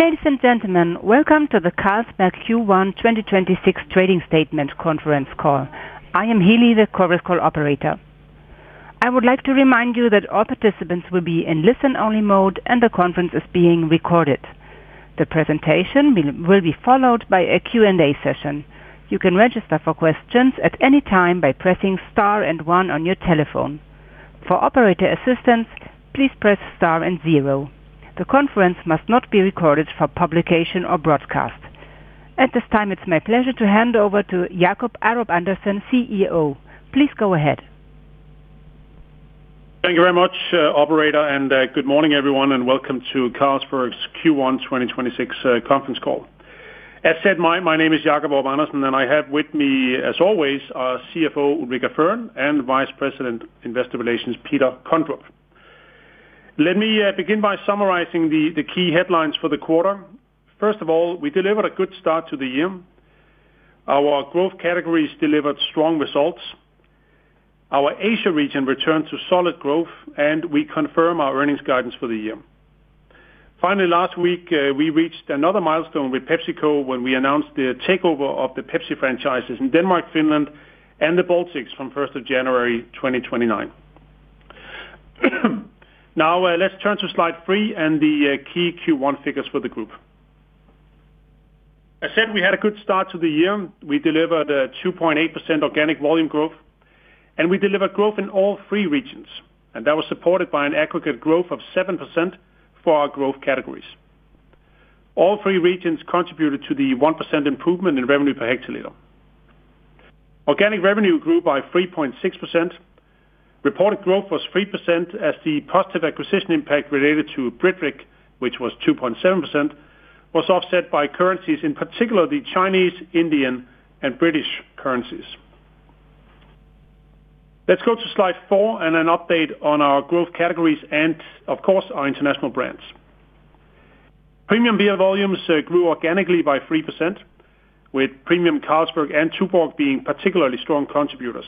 Ladies and gentlemen, welcome to the Carlsberg Q1 2026 Trading Statement conference call. I am Healy, the conference call operator. I would like to remind you that all participants will be in listen-only mode, and the conference is being recorded. The presentation will be followed by a Q&A session. You can register for questions at any time by pressing star and one on your telephone. For operator assistance, please press star and zero. The conference must not be recorded for publication or broadcast. At this time, it's my pleasure to hand over to Jacob Aarup-Andersen, CEO. Please go ahead. Thank you very much, operator, and good morning, everyone, and welcome to Carlsberg's Q1 2026 conference call. As said, my name is Jacob Aarup-Andersen, and I have with me, as always, our CFO, Ulrica Fearn, and Vice President Investor Relations, Peter Kondrup. Let me begin by summarizing the key headlines for the quarter. First of all, we delivered a good start to the year. Our growth categories delivered strong results. Our Asia region returned to solid growth, and we confirm our earnings guidance for the year. Finally, last week, we reached another milestone with PepsiCo when we announced the takeover of the Pepsi franchises in Denmark, Finland, and the Baltics from first of January 2029. Now, let's turn to slide three and the key Q1 figures for the group. I said we had a good start to the year. We delivered 2.8% organic volume growth. We delivered growth in all three regions, and that was supported by an aggregate growth of 7% for our growth categories. All three regions contributed to the 1% improvement in revenue per hectoliter. Organic revenue grew by 3.6%. Reported growth was 3% as the positive acquisition impact related to Britvic, which was 2.7%, was offset by currencies, in particular the Chinese, Indian, and British currencies. Let's go to slide four and an update on our growth categories and, of course, our international brands. Premium beer volumes grew organically by 3%, with premium Carlsberg and Tuborg being particularly strong contributors.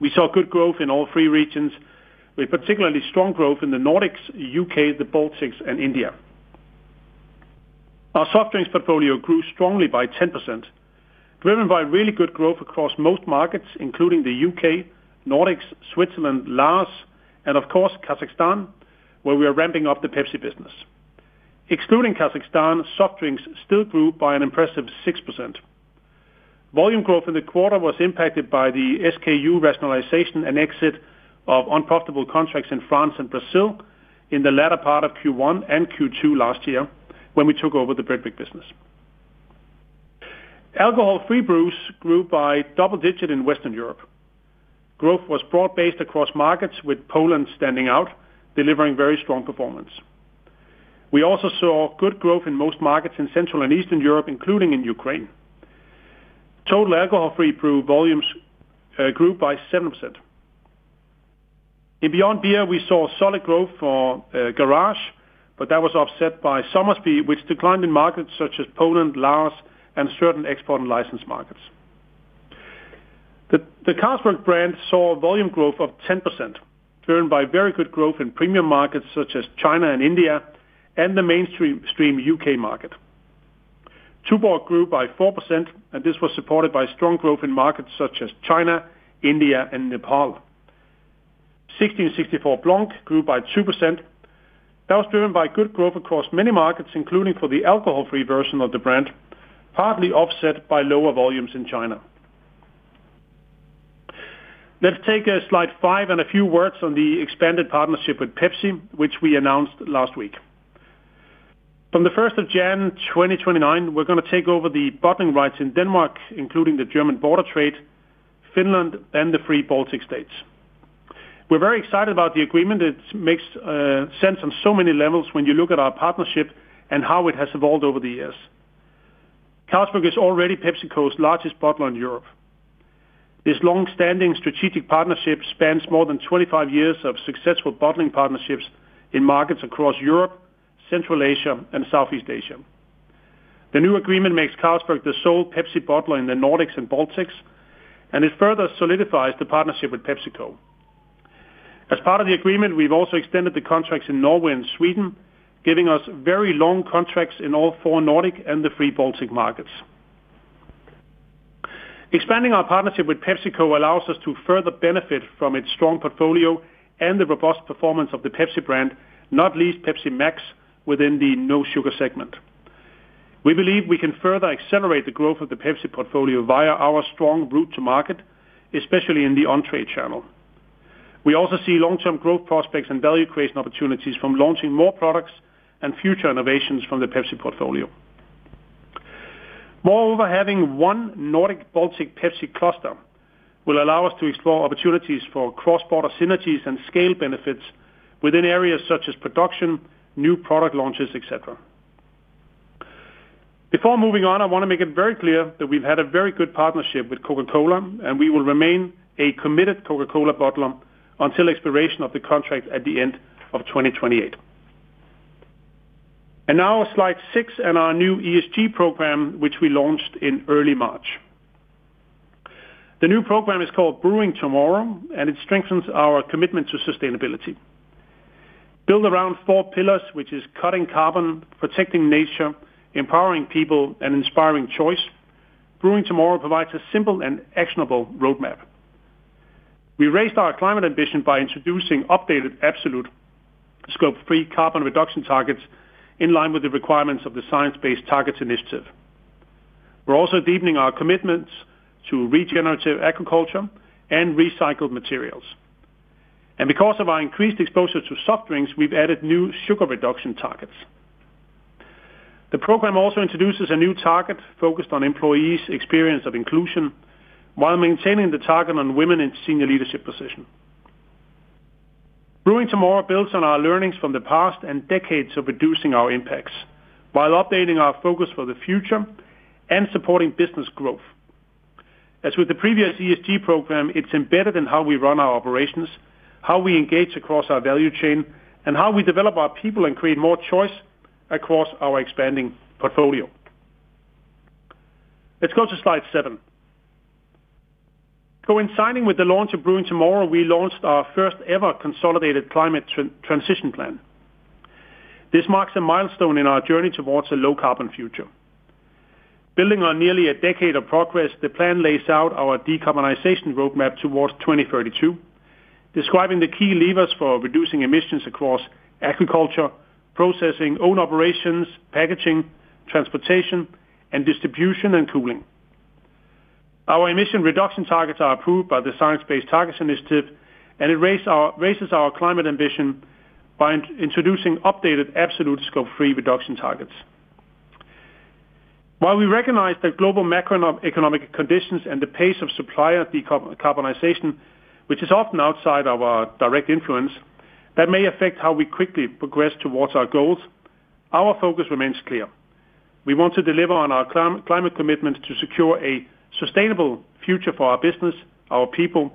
We saw good growth in all three regions, with particularly strong growth in the Nordics, U.K., the Baltics, and India. Our soft drinks portfolio grew strongly by 10%, driven by really good growth across most markets, including the U.K., Nordics, Switzerland, Laos, and of course, Kazakhstan, where we are ramping up the Pepsi business. Excluding Kazakhstan, soft drinks still grew by an impressive 6%. Volume growth in the quarter was impacted by the SKU rationalization and exit of unprofitable contracts in France and Brazil in the latter part of Q1 and Q2 last year when we took over the Britvic business. Alcohol-free brews grew by double-digit in Western Europe. Growth was broad-based across markets, with Poland standing out, delivering very strong performance. We also saw good growth in most markets in Central and Eastern Europe, including in Ukraine. Total alcohol-free brew volumes grew by 7%. In Beyond Beer, we saw solid growth for Garage, but that was offset by Somersby, which declined in markets such as Poland, Laos, and certain export and license markets. The Carlsberg brand saw volume growth of 10%, driven by very good growth in premium markets such as China and India and the mainstream U.K. market. Tuborg grew by 4%, this was supported by strong growth in markets such as China, India, and Nepal. 1664 Blanc grew by 2%. That was driven by good growth across many markets, including for the alcohol-free version of the brand, partly offset by lower volumes in China. Let's take slide five and a few words on the expanded partnership with Pepsi, which we announced last week. From the 1st of January 2029, we're going to take over the bottling rights in Denmark, including the German border trade, Finland, and the three Baltic states. We're very excited about the agreement. It makes sense on so many levels when you look at our partnership and how it has evolved over the years. Carlsberg is already PepsiCo's largest bottler in Europe. This long-standing strategic partnership spans more than 25 years of successful bottling partnerships in markets across Europe, Central Asia, and Southeast Asia. The new agreement makes Carlsberg the sole Pepsi bottler in the Nordics and Baltics, and it further solidifies the partnership with PepsiCo. As part of the agreement, we've also extended the contracts in Norway and Sweden, giving us very long contracts in all four Nordic and the three Baltic markets. Expanding our partnership with PepsiCo allows us to further benefit from its strong portfolio and the robust performance of the Pepsi brand, not least Pepsi Max within the no sugar segment. We believe we can further accelerate the growth of the Pepsi portfolio via our strong route to market, especially in the on-trade channel. We also see long-term growth prospects and value creation opportunities from launching more products and future innovations from the Pepsi portfolio. Having one Nordic-Baltic Pepsi cluster will allow us to explore opportunities for cross-border synergies and scale benefits within areas such as production, new product launches, etc. Before moving on, I want to make it very clear that we've had a very good partnership with Coca-Cola, and we will remain a committed Coca-Cola bottler until expiration of the contract at the end of 2028. Now slide six and our new ESG program, which we launched in early March. The new program is called Brewing Tomorrow, and it strengthens our commitment to sustainability. Built around four pillars, which is Cutting Carbon, Protecting Nature, Empowering People, and Inspiring Choice, Brewing Tomorrow provides a simple and actionable roadmap. We raised our climate ambition by introducing updated absolute Scope three carbon reduction targets in line with the requirements of the Science Based Targets Initiative. We're also deepening our commitments to regenerative agriculture and recycled materials. Because of our increased exposure to soft drinks, we've added new sugar reduction targets. The program also introduces a new target focused on employees' experience of inclusion while maintaining the target on women in senior leadership position. Brewing Tomorrow builds on our learnings from the past and decades of reducing our impacts while updating our focus for the future and supporting business growth. As with the previous ESG program, it's embedded in how we run our operations, how we engage across our value chain, and how we develop our people and create more choice across our expanding portfolio. Let's go to slide seven. Coinciding with the launch of Brewing Tomorrow, we launched our first-ever consolidated climate transition plan. This marks a milestone in our journey towards a low carbon future. Building on nearly a decade of progress, the plan lays out our decarbonization roadmap towards 2032, describing the key levers for reducing emissions across agriculture, processing, own operations, packaging, transportation, and distribution, and cooling. Our emission reduction targets are approved by the Science Based Targets Initiative, it raises our climate ambition by introducing updated absolute Scope three reduction targets. While we recognize that global macroeconomic conditions and the pace of supplier decarbonization, which is often outside of our direct influence, that may affect how we quickly progress towards our goals, our focus remains clear. We want to deliver on our climate commitment to secure a sustainable future for our business, our people,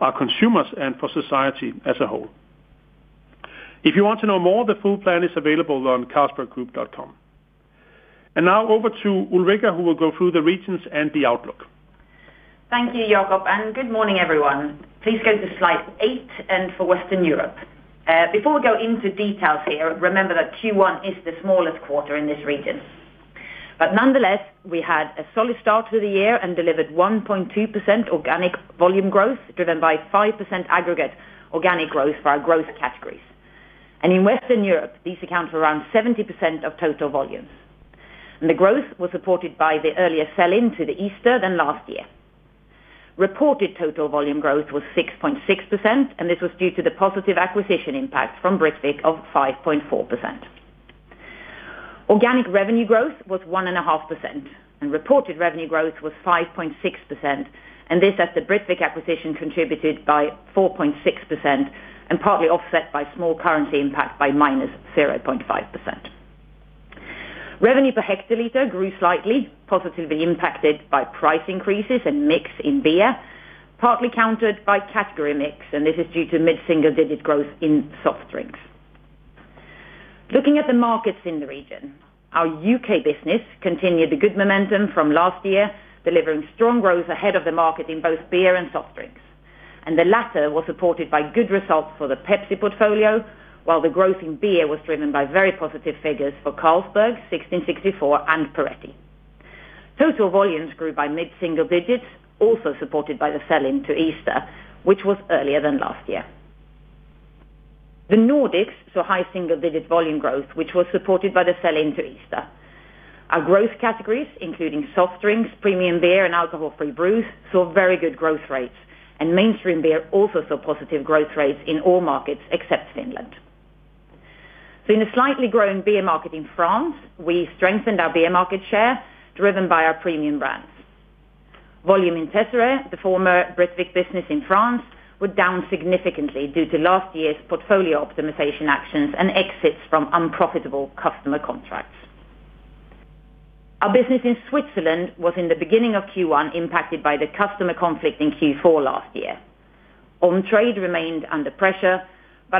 our consumers, and for society as a whole. If you want to know more, the full plan is available on carlsberggroup.com. Now over to Ulrica, who will go through the regions and the outlook. Thank you, Jacob, and good morning, everyone. Please go to slide eight and for Western Europe. Before we go into details here, remember that Q1 is the smallest quarter in this region. Nonetheless, we had a solid start to the year and delivered 1.2% organic volume growth, driven by 5% aggregate organic growth for our growth categories. In Western Europe, these account for around 70% of total volumes. The growth was supported by the earlier sell-in to the Easter than last year. Reported total volume growth was 6.6%, and this was due to the positive acquisition impact from Britvic of 5.4%. Organic revenue growth was 1.5%, and reported revenue growth was 5.6%, and this as the Britvic acquisition contributed by 4.6% and partly offset by small currency impact by -0.5%. Revenue per hectoliter grew slightly, positively impacted by price increases and mix in beer, partly countered by category mix, and this is due to mid-single digit growth in soft drinks. Looking at the markets in the region, our U.K. business continued the good momentum from last year, delivering strong growth ahead of the market in both beer and soft drinks. The latter was supported by good results for the Pepsi portfolio, while the growth in beer was driven by very positive figures for Carlsberg, 1664, and Poretti. Total volumes grew by mid-single digits, also supported by the sell-in to Easter, which was earlier than last year. The Nordics saw high single-digit volume growth, which was supported by the sell-in to Easter. Our growth categories, including soft drinks, premium beer, and alcohol-free brews, saw very good growth rates, and mainstream beer also saw positive growth rates in all markets except Finland. In a slightly growing beer market in France, we strengthened our beer market share driven by our premium brands. Volume in Teisseire, the former Britvic business in France, were down significantly due to last year's portfolio optimization actions and exits from unprofitable customer contracts. Our business in Switzerland was in the beginning of Q1 impacted by the customer conflict in Q4 last year. Trade remained under pressure,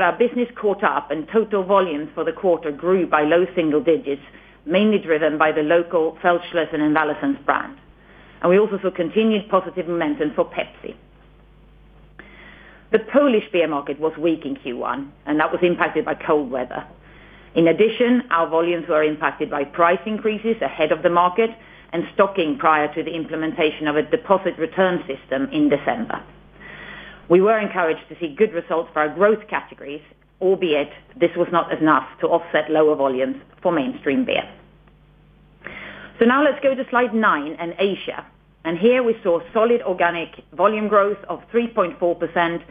our business caught up and total volumes for the quarter grew by low single digits, mainly driven by the local Feldschlösschen and Valaisanne brands. We also saw continued positive momentum for Pepsi. The Polish beer market was weak in Q1, that was impacted by cold weather. In addition, our volumes were impacted by price increases ahead of the market and stocking prior to the implementation of a deposit return system in December. We were encouraged to see good results for our growth categories, albeit this was not enough to offset lower volumes for mainstream beer. Now let's go to slide nine and Asia. Here we saw solid organic volume growth of 3.4%,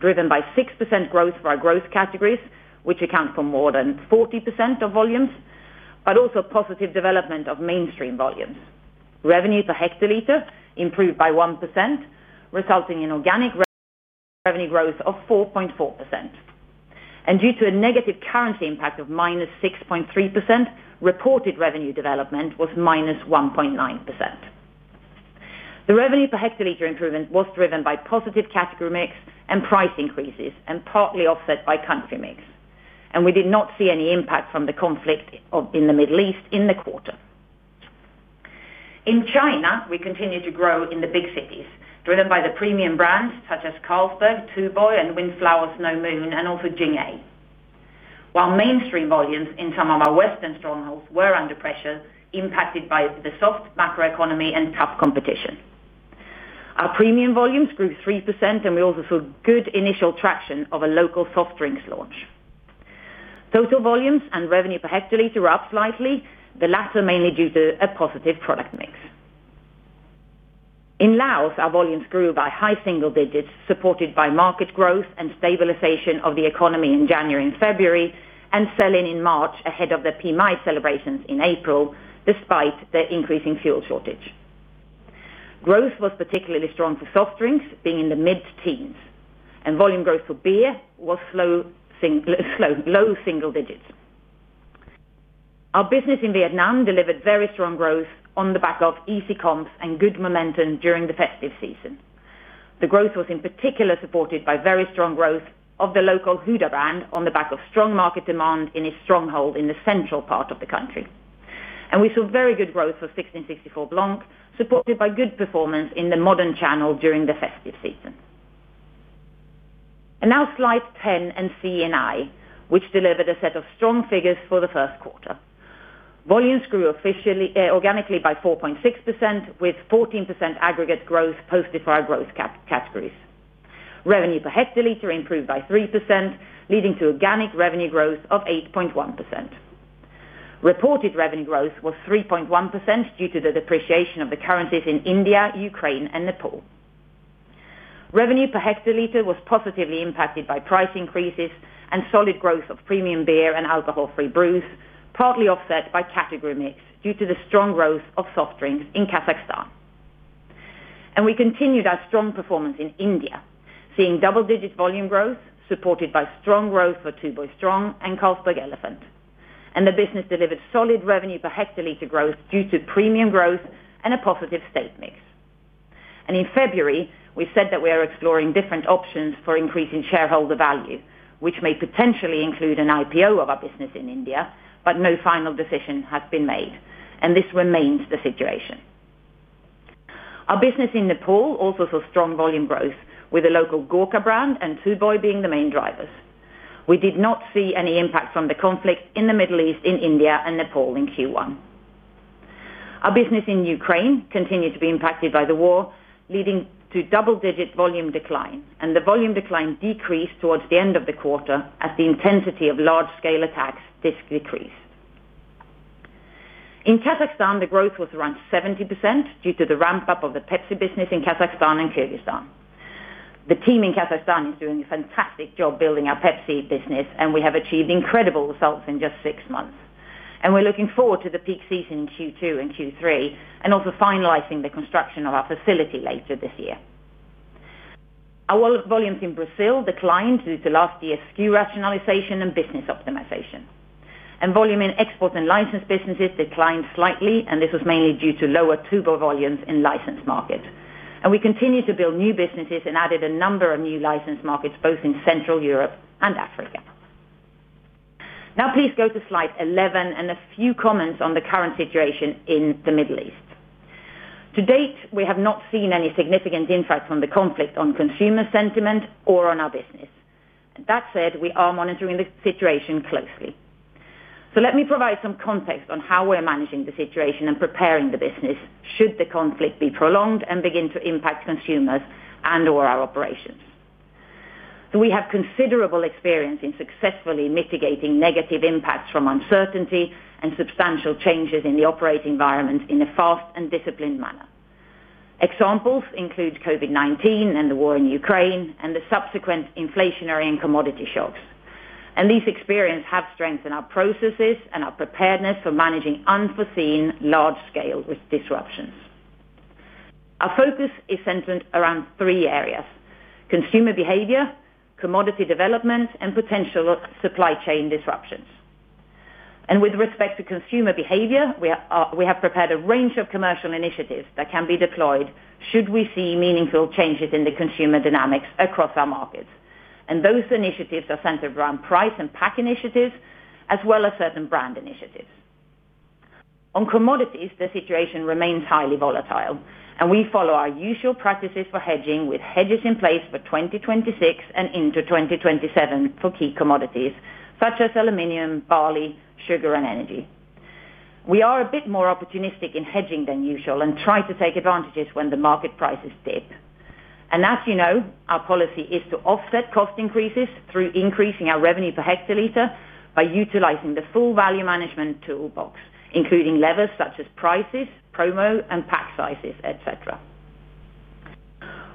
driven by 6% growth for our growth categories, which account for more than 40% of volumes, but also positive development of mainstream volumes. Revenue per hectoliter improved by 1%, resulting in organic revenue growth of 4.4%. Due to a negative currency impact of -6.3%, reported revenue development was -1.9%. The revenue per hectoliter improvement was driven by positive category mix and price increases and partly offset by country mix. We did not see any impact from the conflict in the Middle East in the quarter. In China, we continued to grow in the big cities, driven by the premium brands such as Carlsberg, Tuborg, and Wind Flower Snow Moon and also Jing-A. While mainstream volumes in some of our western strongholds were under pressure, impacted by the soft macro economy and tough competition. Our premium volumes grew 3%, and we also saw good initial traction of a local soft drinks launch. Total volumes and revenue per hectoliter were up slightly, the latter mainly due to a positive product mix. In Laos, our volumes grew by high single digits, supported by market growth and stabilization of the economy in January and February, and sell-in in March ahead of the Pi Mai celebrations in April, despite the increasing fuel shortage. Growth was particularly strong for soft drinks, being in the mid-teens, and volume growth for beer was slow low single digits. Our business in Vietnam delivered very strong growth on the back of easy comps and good momentum during the festive season. The growth was in particular supported by very strong growth of the local Huda brand on the back of strong market demand in its stronghold in the central part of the country. We saw very good growth for 1664 Blanc, supported by good performance in the modern channel during the festive season. Now Slide 10 and C&I, which delivered a set of strong figures for the first quarter. Volumes grew officially, organically by 4.6% with 14% aggregate growth post-defied growth categories. Revenue per hectoliter improved by 3%, leading to organic revenue growth of 8.1%. Reported revenue growth was 3.1% due to the depreciation of the currencies in India, Ukraine and Nepal. Revenue per hectoliter was positively impacted by price increases and solid growth of premium beer and alcohol-free brews, partly offset by category mix due to the strong growth of soft drinks in Kazakhstan. We continued our strong performance in India, seeing double-digit volume growth supported by strong growth for Tuborg Strong and Carlsberg Elephant. The business delivered solid revenue per hectoliter growth due to premium growth and a positive state mix. In February, we said that we are exploring different options for increasing shareholder value, which may potentially include an IPO of our business in India, but no final decision has been made, and this remains the situation. Our business in Nepal also saw strong volume growth with the local Gorkha brand and Tuborg being the main drivers. We did not see any impact from the conflict in the Middle East, in India and Nepal in Q1. Our business in Ukraine continued to be impacted by the war, leading to double-digit volume decline, and the volume decline decreased towards the end of the quarter as the intensity of large-scale attacks did decrease. In Kazakhstan, the growth was around 70% due to the ramp-up of the Pepsi business in Kazakhstan and Kyrgyzstan. The team in Kazakhstan is doing a fantastic job building our Pepsi business, and we have achieved incredible results in just six months. We're looking forward to the peak season in Q2 and Q3, and also finalizing the construction of our facility later this year. Our volumes in Brazil declined due to last year's SKU rationalization and business optimization. Volume in export and license businesses declined slightly, and this was mainly due to lower Tuborg volumes in license market. We continued to build new businesses and added a number of new license markets both in Central Europe and Africa. Now please go to slide 11 and a few comments on the current situation in the Middle East. To date, we have not seen any significant impact from the conflict on consumer sentiment or on our business. That said, we are monitoring the situation closely. Let me provide some context on how we're managing the situation and preparing the business should the conflict be prolonged and begin to impact consumers and or our operations. We have considerable experience in successfully mitigating negative impacts from uncertainty and substantial changes in the operating environment in a fast and disciplined manner. Examples include COVID-19 and the war in Ukraine and the subsequent inflationary and commodity shocks. These experience have strengthened our processes and our preparedness for managing unforeseen large-scale disruptions. Our focus is centered around three areas: consumer behavior, commodity development, and potential supply chain disruptions. With respect to consumer behavior, we are, we have prepared a range of commercial initiatives that can be deployed should we see meaningful changes in the consumer dynamics across our markets. Those initiatives are centered around price and pack initiatives, as well as certain brand initiatives. On commodities, the situation remains highly volatile. We follow our usual practices for hedging with hedges in place for 2026 and into 2027 for key commodities such as aluminum, barley, sugar and energy. We are a bit more opportunistic in hedging than usual and try to take advantages when the market prices dip. As you know, our policy is to offset cost increases through increasing our revenue per hectoliter by utilizing the full value management toolbox, including levers such as prices, promo, and pack sizes, etc.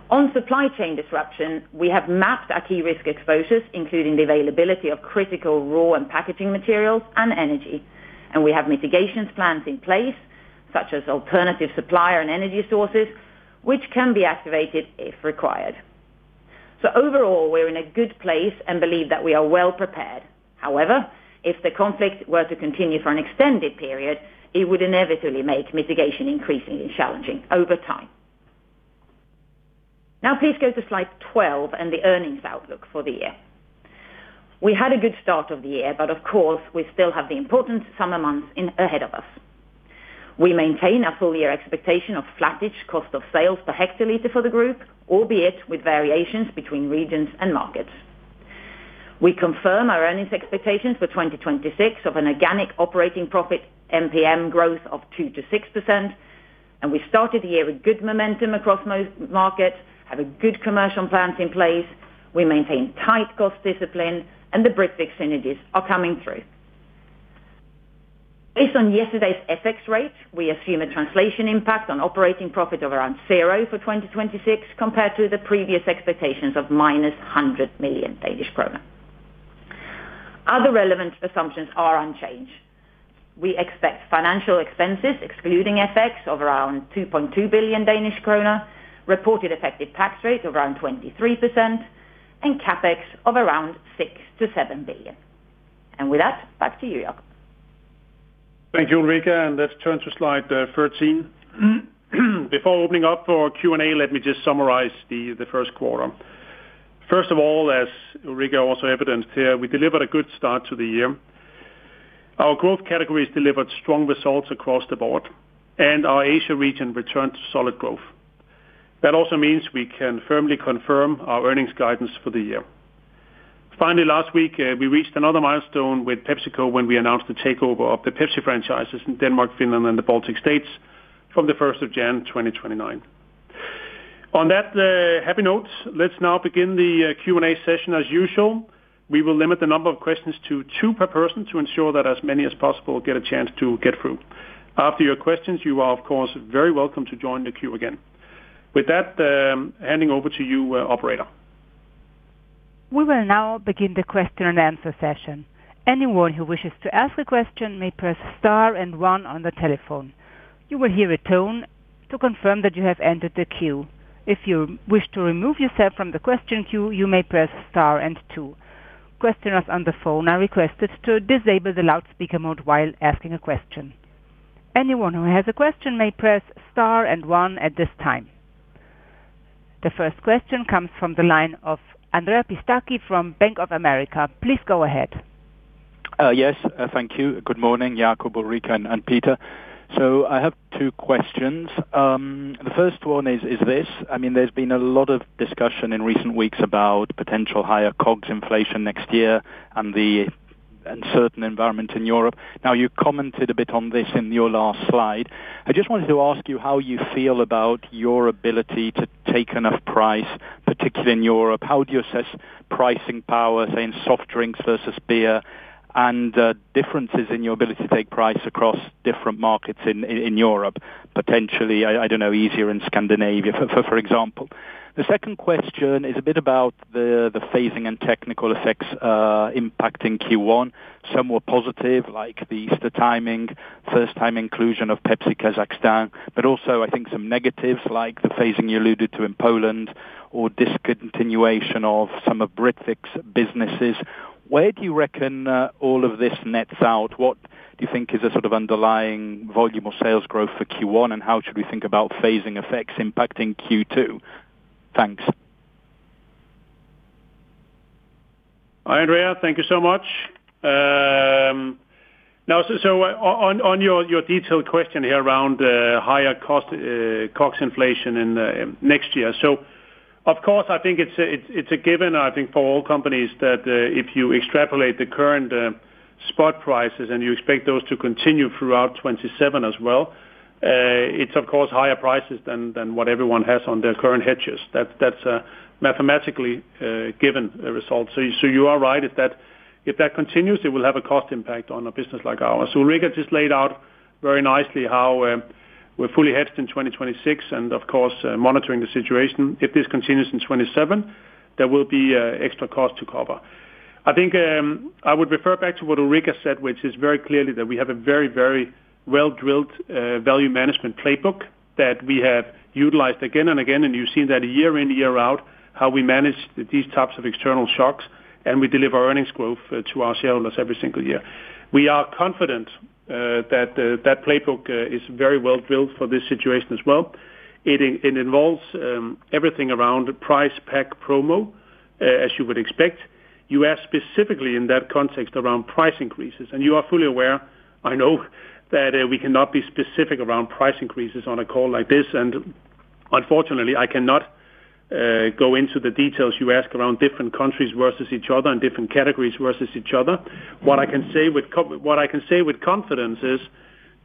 On supply chain disruption, we have mapped our key risk exposures, including the availability of critical raw and packaging materials and energy. We have mitigations plans in place such as alternative supplier and energy sources, which can be activated if required. Overall, we're in a good place and believe that we are well prepared. However, if the conflict were to continue for an extended period, it would inevitably make mitigation increasingly challenging over time. Please go to slide 12 and the earnings outlook for the year. We had a good start of the year, of course, we still have the important summer months ahead of us. We maintain a full year expectation of flat-ish cost of sales per hectoliter for the group, albeit with variations between regions and markets. We confirm our earnings expectations for 2026 of an organic operating profit NPM growth of 2%-6%. We started the year with good momentum across most markets, have good commercial plans in place. We maintain tight cost discipline. The Britvic synergies are coming through. Based on yesterday's FX rate, we assume a translation impact on operating profit of around 0% for 2026 compared to the previous expectations of -100 million Danish kroner. Other relevant assumptions are unchanged. We expect financial expenses, excluding FX, of around 2.2 billion Danish kroner, reported effective tax rate of around 23% and CapEx of around 6 billion-7 billion. With that, back to you, Jacob. Thank you, Ulrica. Let's turn to slide 13. Before opening up for Q&A, let me just summarize the first quarter. As Ulrica also evidenced here, we delivered a good start to the year. Our growth categories delivered strong results across the board. Our Asia region returned to solid growth. We can firmly confirm our earnings guidance for the year. Last week, we reached another milestone with PepsiCo when we announced the takeover of the Pepsi franchises in Denmark, Finland and the Baltic States from the January 1st, 2029. Let's now begin the Q&A session as usual. We will limit the number of questions to two per person to ensure that as many as possible get a chance to get through. After your questions, you are, of course, very welcome to join the queue again. With that, handing over to you, operator. We will now begin the question-and-answer session. Anyone who wishes to ask a question may press star and one on the telephone. You will hear a tone to confirm that you have entered the queue. If you wish to remove yourself from the question queue, you may press star and two. Questioners on the phone are requested to disable the loudspeaker mode while asking a question. Anyone who has a question may press star and one at this time. The first question comes from the line of Andrea Pistacchi from Bank of America. Please go ahead. Yes, thank you. Good morning, Jacob, Ulrica, and Peter. I have two questions. The first one is this: I mean, there's been a lot of discussion in recent weeks about potential higher COGS inflation next year and uncertain environment in Europe. You commented a bit on this in your last slide. I just wanted to ask you how you feel about your ability to take enough price, particularly in Europe. How would you assess pricing power in soft drinks versus beer and differences in your ability to take price across different markets in Europe? Potentially, I don't know, easier in Scandinavia, for example. The second question is a bit about the phasing and technical effects impacting Q1. Some were positive, like the Easter timing, first-time inclusion of Pepsi Kazakhstan, but also I think some negatives like the phasing you alluded to in Poland or discontinuation of some of Britvic's businesses. Where do you reckon all of this nets out? What do you think is a sort of underlying volume of sales growth for Q1, and how should we think about phasing effects impacting Q2? Thanks. Hi, Andrea. Thank you so much. Now, on your detailed question here around higher cost COGS inflation in next year. Of course, I think it's a given, I think, for all companies that if you extrapolate the current spot prices and you expect those to continue throughout 2027 as well, it's of course higher prices than what everyone has on their current hedges. That's mathematically a given result. You are right. If that continues, it will have a cost impact on a business like ours. Ulrica just laid out very nicely how we're fully hedged in 2026 and of course, monitoring the situation. If this continues in 2027, there will be extra cost to cover. I think, I would refer back to what Ulrica said, which is very clearly that we have a very, very well-drilled value management playbook that we have utilized again and again. You've seen that year in, year out, how we manage these types of external shocks, and we deliver earnings growth to our shareholders every single year. We are confident that that playbook is very well built for this situation as well. It involves everything around price pack promo as you would expect. You ask specifically in that context around price increases, and you are fully aware, I know that we cannot be specific around price increases on a call like this. Unfortunately, I cannot go into the details you ask around different countries versus each other and different categories versus each other. What I can say with confidence is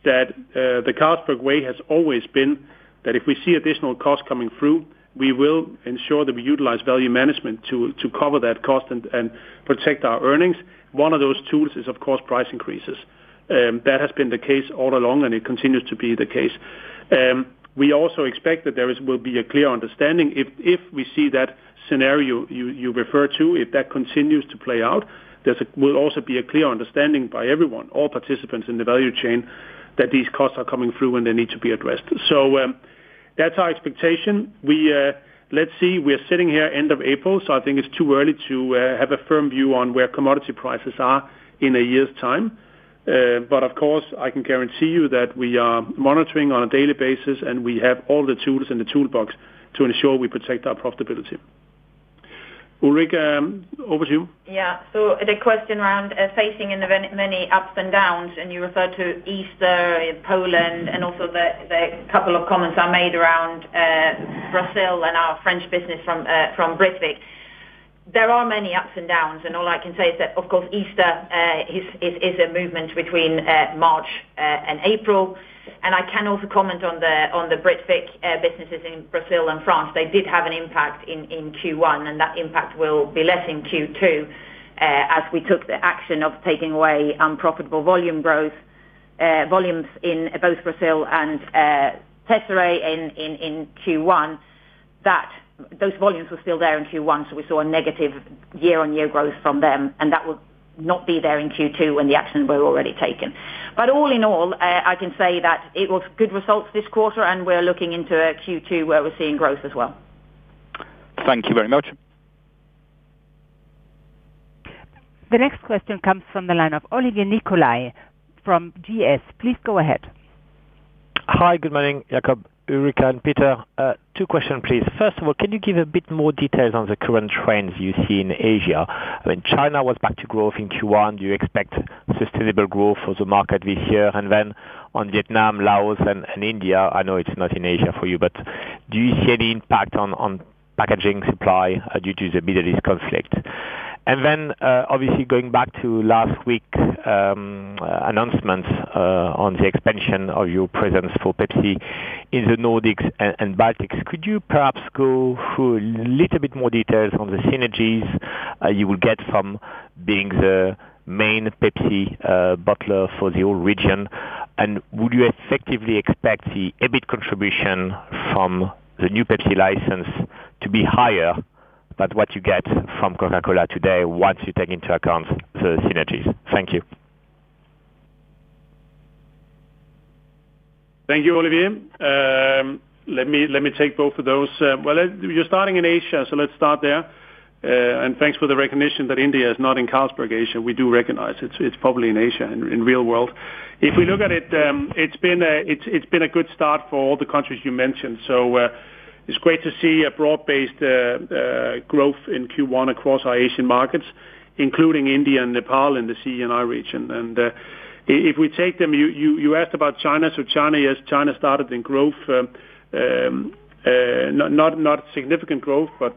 that the Carlsberg way has always been that if we see additional costs coming through, we will ensure that we utilize value management to cover that cost and protect our earnings. One of those tools is, of course, price increases. That has been the case all along, and it continues to be the case. We also expect that there will be a clear understanding if we see that scenario you refer to, if that continues to play out, there will also be a clear understanding by everyone, all participants in the value chain, that these costs are coming through when they need to be addressed. That's our expectation. We, let's see, we're sitting here end of April, I think it's too early to have a firm view on where commodity prices are in a year's time. Of course, I can guarantee you that we are monitoring on a daily basis, and we have all the tools in the toolbox to ensure we protect our profitability. Ulrica, over to you. Yeah. The question around facing in the many ups and downs, and you referred to Easter in Poland and also the couple of comments I made around Brazil and our French business from Britvic. There are many ups and downs, and all I can say is that, of course, Easter is a movement between March and April. I can also comment on the Britvic businesses in Brazil and France. They did have an impact in Q1, and that impact will be less in Q2 as we took the action of taking away unprofitable volume growth volumes in both Brazil and Teisseire in Q1, that those volumes were still there in Q1. We saw a negative year-on-year growth from them, and that will not be there in Q2 when the actions were already taken. All in all, I can say that it was good results this quarter, and we're looking into a Q2 where we're seeing growth as well. Thank you very much. The next question comes from the line of Olivier Nicolai from GS. Please go ahead. Hi, good morning, Jacob, Ulrica, and Peter. Two questions, please. Can you give a bit more details on the current trends you see in Asia? When China was back to growth in Q1, do you expect sustainable growth for the market this year? On Vietnam, Laos, and India, I know it's not in Asia for you, but do you see any impact on packaging supply due to the Middle East conflict? Obviously, going back to last week's announcements on the expansion of your presence for Pepsi in the Nordics and Baltics, could you perhaps go through little bit more details on the synergies you will get from being the main Pepsi bottler for the whole region? Would you effectively expect the EBIT contribution from the new Pepsi license to be higher than what you get from Coca-Cola today once you take into account the synergies? Thank you. Thank you, Olivier. Let me take both of those. Well, you're starting in Asia, let's start there. Thanks for the recognition that India is not in Carlsberg Asia. We do recognize it's probably in Asia in real world. If we look at it's been a good start for all the countries you mentioned. It's great to see a broad-based growth in Q1 across our Asian markets, including India and Nepal in the CNI region. If we take them, you asked about China. China, yes, China started in growth, not significant growth, but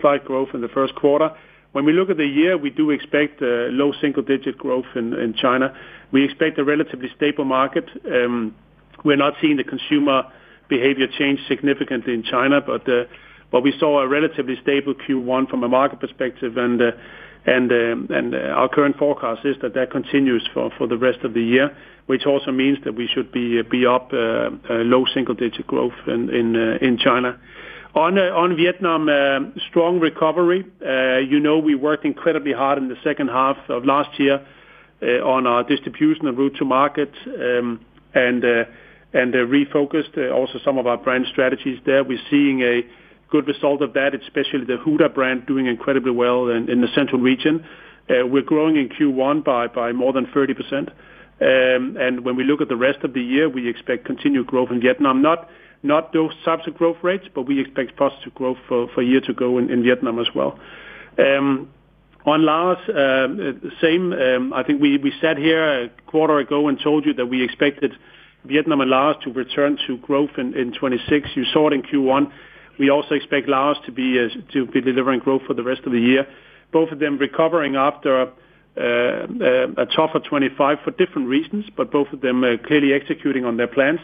slight growth in the first quarter. When we look at the year, we do expect low single-digit growth in China. We expect a relatively stable market. We're not seeing the consumer behavior change significantly in China, but we saw a relatively stable Q1 from a market perspective, and our current forecast is that that continues for the rest of the year, which also means that we should be up low single-digit growth in China. On Vietnam, strong recovery. You know, we worked incredibly hard in the second half of last year on our distribution and route to market, and refocused also some of our brand strategies there. We're seeing a good result of that, especially the Huda brand doing incredibly well in the central region. We're growing in Q1 by more than 30%. When we look at the rest of the year, we expect continued growth in Vietnam, not those types of growth rates, but we expect positive growth for year to go in Vietnam as well. On Laos, same, I think we sat here a quarter ago and told you that we expected Vietnam and Laos to return to growth in 2026. You saw it in Q1. We also expect Laos to be delivering growth for the rest of the year. Both of them recovering after a tougher 2025 for different reasons, but both of them clearly executing on their plans.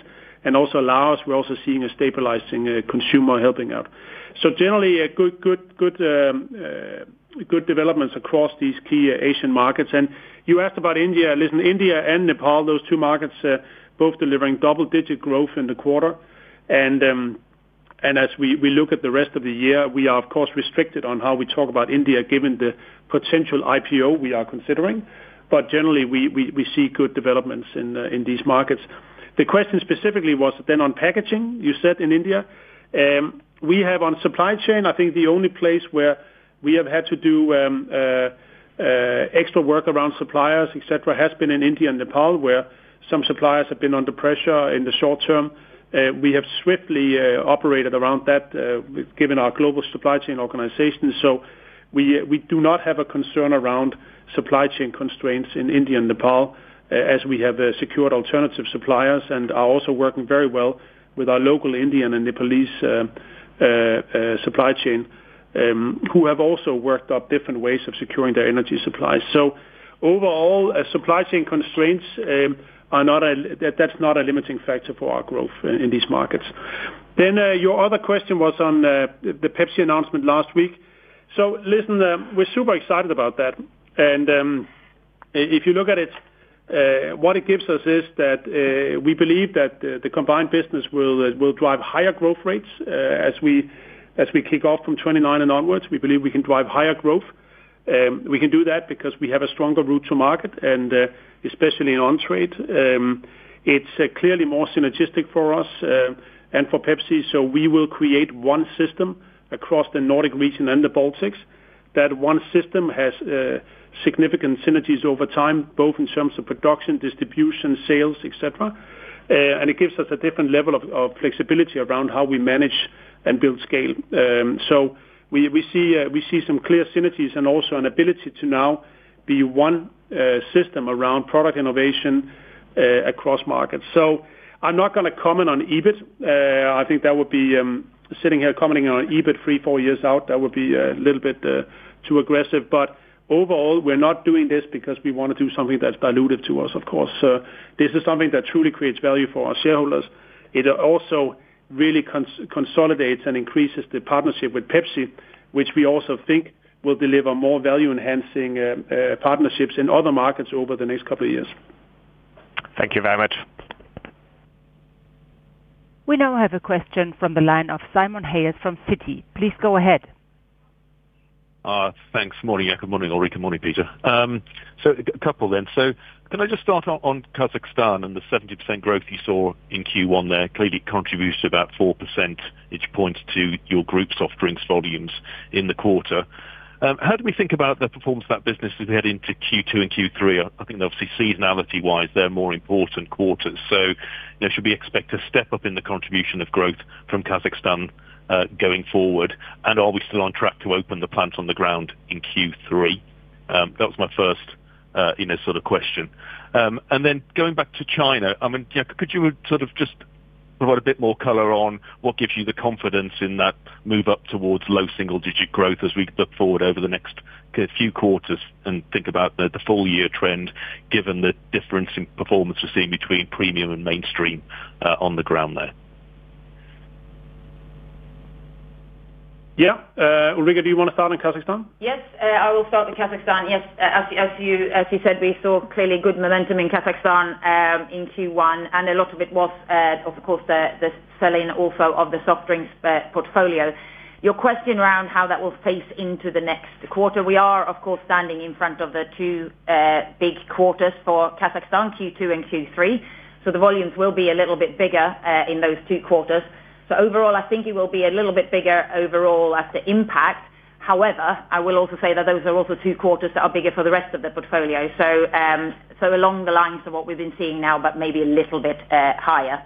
Also Laos, we're also seeing a stabilizing consumer helping out. Generally good developments across these key Asian markets. You asked about India. Listen, India and Nepal, those two markets, both delivering double-digit growth in the quarter. As we look at the rest of the year, we are of course restricted on how we talk about India given the potential IPO we are considering. Generally, we see good developments in these markets. The question specifically was on packaging, you said in India. We have on supply chain, I think the only place where we have had to do extra work around suppliers, etc, has been in India and Nepal, where some suppliers have been under pressure in the short term. We have swiftly operated around that, given our global supply chain organization. We do not have a concern around supply chain constraints in India and Nepal as we have secured alternative suppliers and are also working very well with our local Indian and Nepalese supply chain, who have also worked up different ways of securing their energy supplies. Overall, supply chain constraints are not a limiting factor for our growth in these markets. Your other question was on the Pepsi announcement last week. Listen, we're super excited about that. If you look at it, what it gives us is that we believe that the combined business will drive higher growth rates as we kick off from 2029 and onwards. We believe we can drive higher growth. We can do that because we have a stronger route to market and, especially in on-trade. It's clearly more synergistic for us and for Pepsi, so we will create one system across the Nordic region and the Baltics. That one system has significant synergies over time, both in terms of production, distribution, sales, etc. It gives us a different level of flexibility around how we manage and build scale. We see some clear synergies and also an ability to now be one system around product innovation across markets. I'm not gonna comment on EBIT. I think that would be sitting here commenting on an EBIT three, four years out, that would be a little bit too aggressive. Overall, we're not doing this because we wanna do something that's dilutive to us, of course. This is something that truly creates value for our shareholders. It also really consolidates and increases the partnership with Pepsi, which we also think will deliver more value-enhancing partnerships in other markets over the next couple of years. Thank you very much. We now have a question from the line of Simon Hales from Citi. Please go ahead. Thanks. Morning, yeah, good morning, Ulrica. Good morning, Peter. A couple then. Can I just start on Kazakhstan and the 70% growth you saw in Q1 there? Clearly, it contributes to about 4%, which points to your group's soft drinks volumes in the quarter. How do we think about the performance of that business as we head into Q2 and Q3? I think obviously seasonality-wise, they're more important quarters. You know, should we expect a step up in the contribution of growth from Kazakhstan going forward? Are we still on track to open the plant on the ground in Q3? That was my first, you know, sort of question. Going back to China, I mean, could you sort of just provide a bit more color on what gives you the confidence in that move up towards low single digit growth as we look forward over the next few quarters and think about the full year trend, given the difference in performance we're seeing between premium and mainstream on the ground there? Yeah. Ulrica, do you wanna start on Kazakhstan? I will start on Kazakhstan. As you said, we saw clearly good momentum in Kazakhstan in Q1, a lot of it was of course the selling also of the soft drinks portfolio. Your question around how that will face into the next quarter, we are of course standing in front of the two big quarters for Kazakhstan, Q2 and Q3, the volumes will be a little bit bigger in those two quarters. Overall, I think it will be a little bit bigger overall as the impact. However, I will also say that those are also two quarters that are bigger for the rest of the portfolio. Along the lines of what we've been seeing now, but maybe a little bit higher.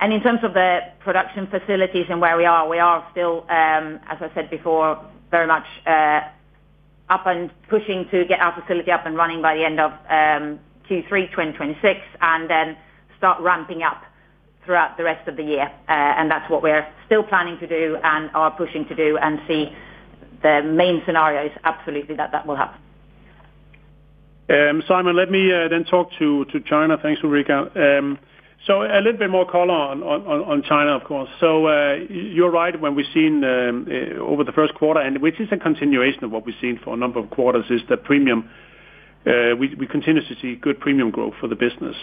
In terms of the production facilities and where we are, we are still, as I said before, very much up and pushing to get our facility up and running by the end of Q3 2026, and then start ramping up throughout the rest of the year. That's what we're still planning to do and are pushing to do and see the main scenario is absolutely that that will happen. Simon, let me talk to China. Thanks, Ulrica. A little bit more color on China, of course. You're right, when we've seen over the first quarter, which is a continuation of what we've seen for a number of quarters, is that premium, we continue to see good premium growth for the business.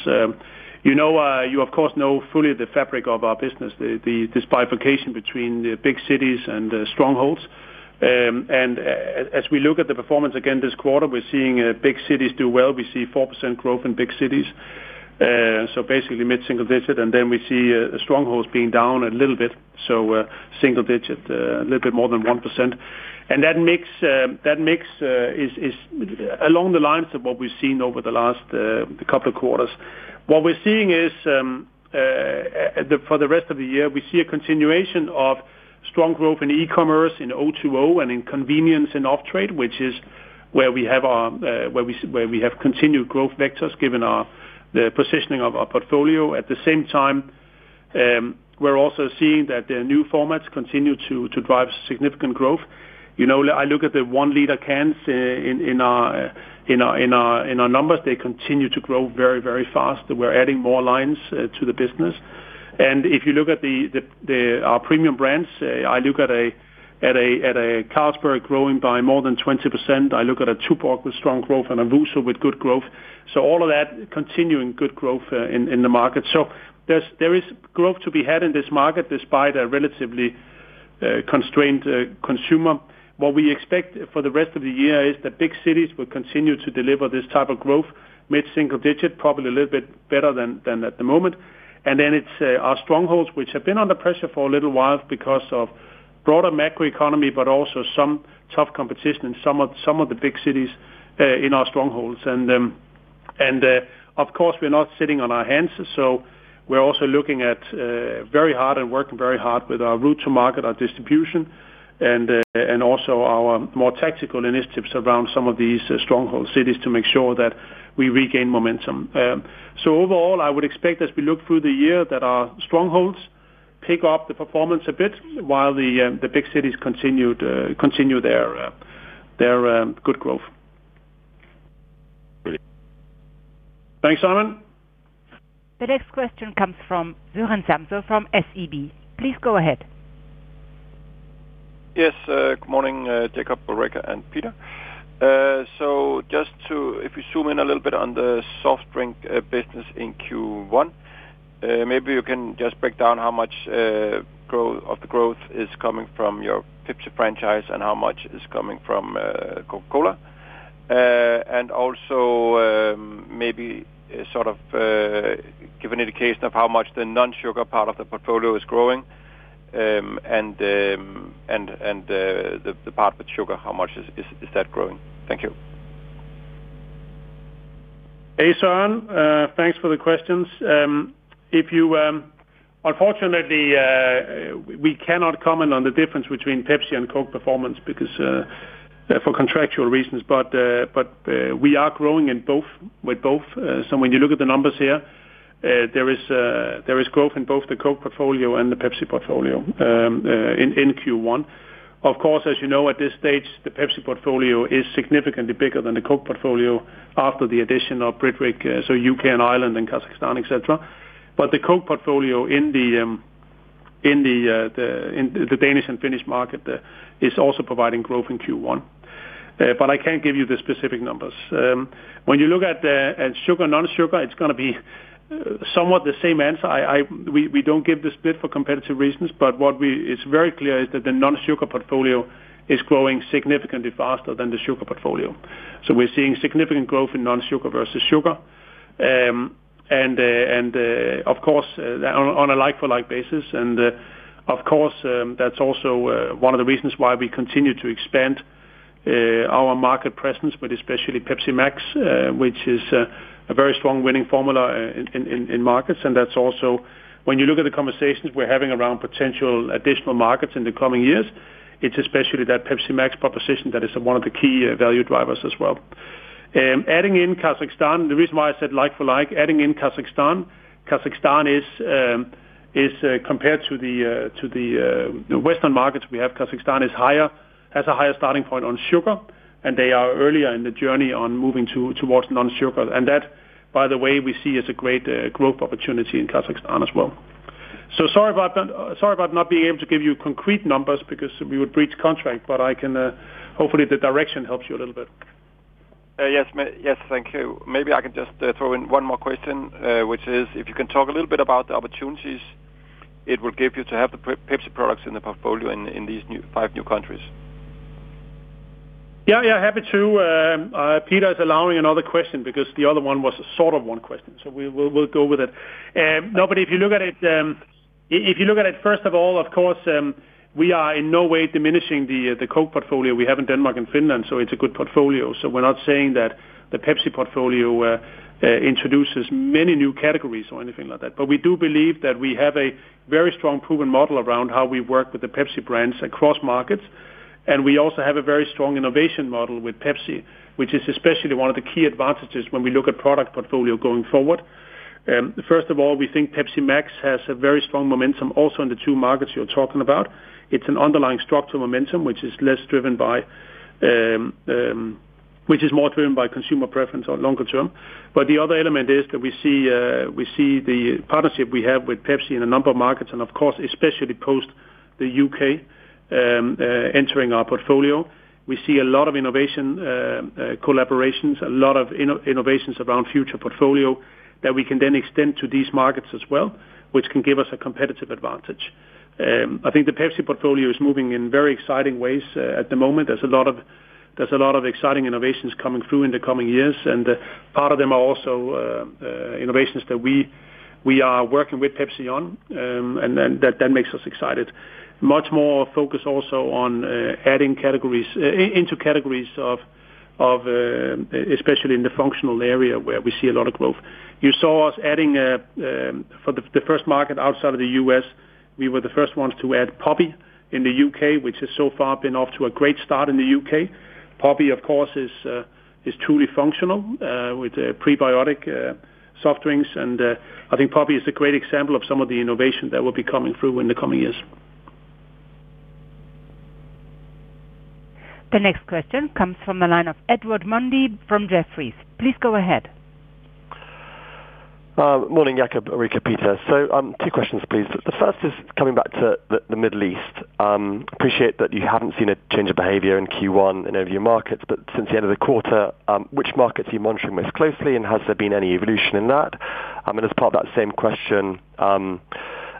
You know, you of course know fully the fabric of our business, this bifurcation between the big cities and the strongholds. As we look at the performance again this quarter, we're seeing big cities do well. We see 4% growth in big cities, basically mid-single digit, we see the strongholds being down a little bit, single digit, a little bit more than 1%. That mix is along the lines of what we've seen over the last couple of quarters. What we're seeing is for the rest of the year, we see a continuation of strong growth in e-commerce, in O2O, and in convenience and off-trade, which is where we have our continued growth vectors given our, the positioning of our portfolio. At the same time, we're also seeing that the new formats continue to drive significant growth. You know, I look at the 1 l cans in our numbers, they continue to grow very fast. We're adding more lines to the business. If you look at our premium brands, I look at a Carlsberg growing by more than 20%. I look at a Tuborg with strong growth and a WuSu with good growth. All of that continuing good growth in the market. There is growth to be had in this market despite a relatively constrained consumer. What we expect for the rest of the year is that big cities will continue to deliver this type of growth, mid-single digit, probably a little bit better than at the moment. Then it's our strongholds, which have been under pressure for a little while because of broader macroeconomy, but also some tough competition in some of the big cities in our strongholds. Of course, we're not sitting on our hands, so we're also looking at very hard and working very hard with our route to market, our distribution and also our more tactical initiatives around some of these stronghold cities to make sure that we regain momentum. Overall, I would expect as we look through the year that our strongholds pick up the performance a bit while the big cities continue their good growth. Brilliant. Thanks, Simon. The next question comes from Søren Samsøe from SEB. Please go ahead. Yes, good morning, Jacob, Ulrica, and Peter. If we zoom in a little bit on the soft drink business in Q1, maybe you can just break down how much of the growth is coming from your Pepsi franchise and how much is coming from Coca-Cola. Also, maybe sort of, give an indication of how much the non-sugar part of the portfolio is growing. The part with sugar, how much is that growing? Thank you. Hey, Søren. Thanks for the questions. Unfortunately, we cannot comment on the difference between Pepsi and Coke performance because for contractual reasons. We are growing with both. When you look at the numbers here, there is growth in both the Coke portfolio and the Pepsi portfolio in Q1. Of course, as you know, at this stage, the Pepsi portfolio is significantly bigger than the Coke portfolio after the addition of Britvic, so U.K. and Ireland and Kazakhstan, etc. The Coke portfolio in the Danish and Finnish market is also providing growth in Q1. I can't give you the specific numbers. When you look at sugar, non-sugar, it's gonna be somewhat the same answer. We don't give the split for competitive reasons, but It's very clear is that the non-sugar portfolio is growing significantly faster than the sugar portfolio. We're seeing significant growth in non-sugar versus sugar. Of course, on a like-for-like basis. Of course, that's also one of the reasons why we continue to expand our market presence, but especially Pepsi Max, which is a very strong winning formula in markets. That's also when you look at the conversations we're having around potential additional markets in the coming years, it's especially that Pepsi Max proposition that is one of the key value drivers as well. Adding in Kazakhstan, the reason why I said like for like, adding in Kazakhstan is compared to the Western markets we have, Kazakhstan is higher, has a higher starting point on sugar, and they are earlier in the journey on moving towards non-sugar. That, by the way, we see as a great growth opportunity in Kazakhstan as well. Sorry about the, sorry about not being able to give you concrete numbers because we would breach contract. Hopefully, the direction helps you a little bit. Yes, yes. Thank you. Maybe I can just throw in one more question, which is if you can talk a little bit about the opportunities it will give you to have the Pepsi products in the portfolio in these new five new countries? Yeah, yeah. Happy to. Peter is allowing another question because the other one was a sort of one question. We'll go with it. No, if you look at it, first of all, of course, we are in no way diminishing the Coke portfolio we have in Denmark and Finland. It's a good portfolio. We're not saying that the Pepsi portfolio introduces many new categories or anything like that. We do believe that we have a very strong proven model around how we work with the Pepsi brands across markets, and we also have a very strong innovation model with Pepsi, which is especially one of the key advantages when we look at product portfolio going forward. First of all, we think Pepsi Max has a very strong momentum also in the two markets you're talking about. It's an underlying structural momentum, which is more driven by consumer preference on longer term. The other element is that we see, we see the partnership we have with Pepsi in a number of markets and of course, especially post the U.K., entering our portfolio. We see a lot of innovation, collaborations, a lot of innovations around future portfolio that we can then extend to these markets as well, which can give us a competitive advantage. I think the Pepsi portfolio is moving in very exciting ways at the moment. There's a lot of exciting innovations coming through in the coming years, and part of them are also innovations that we are working with Pepsi on. That makes us excited. Much more focus also on adding categories into categories of especially in the functional area where we see a lot of growth. You saw us adding for the first market outside of the U.S., we were the first ones to add Poppi in the U.K., which has so far been off to a great start in the U.K. Poppi, of course, is truly functional with prebiotic soft drinks, and I think Poppi is a great example of some of the innovation that will be coming through in the coming years. The next question comes from the line of Edward Mundy from Jefferies. Please go ahead. Morning, Jacob, Ulrica, Peter. Two questions, please. The first is coming back to the Middle East. Appreciate that you haven't seen a change of behavior in Q1 in all of your markets, but since the end of the quarter, which markets are you monitoring most closely, and has there been any evolution in that? And as part of that same question,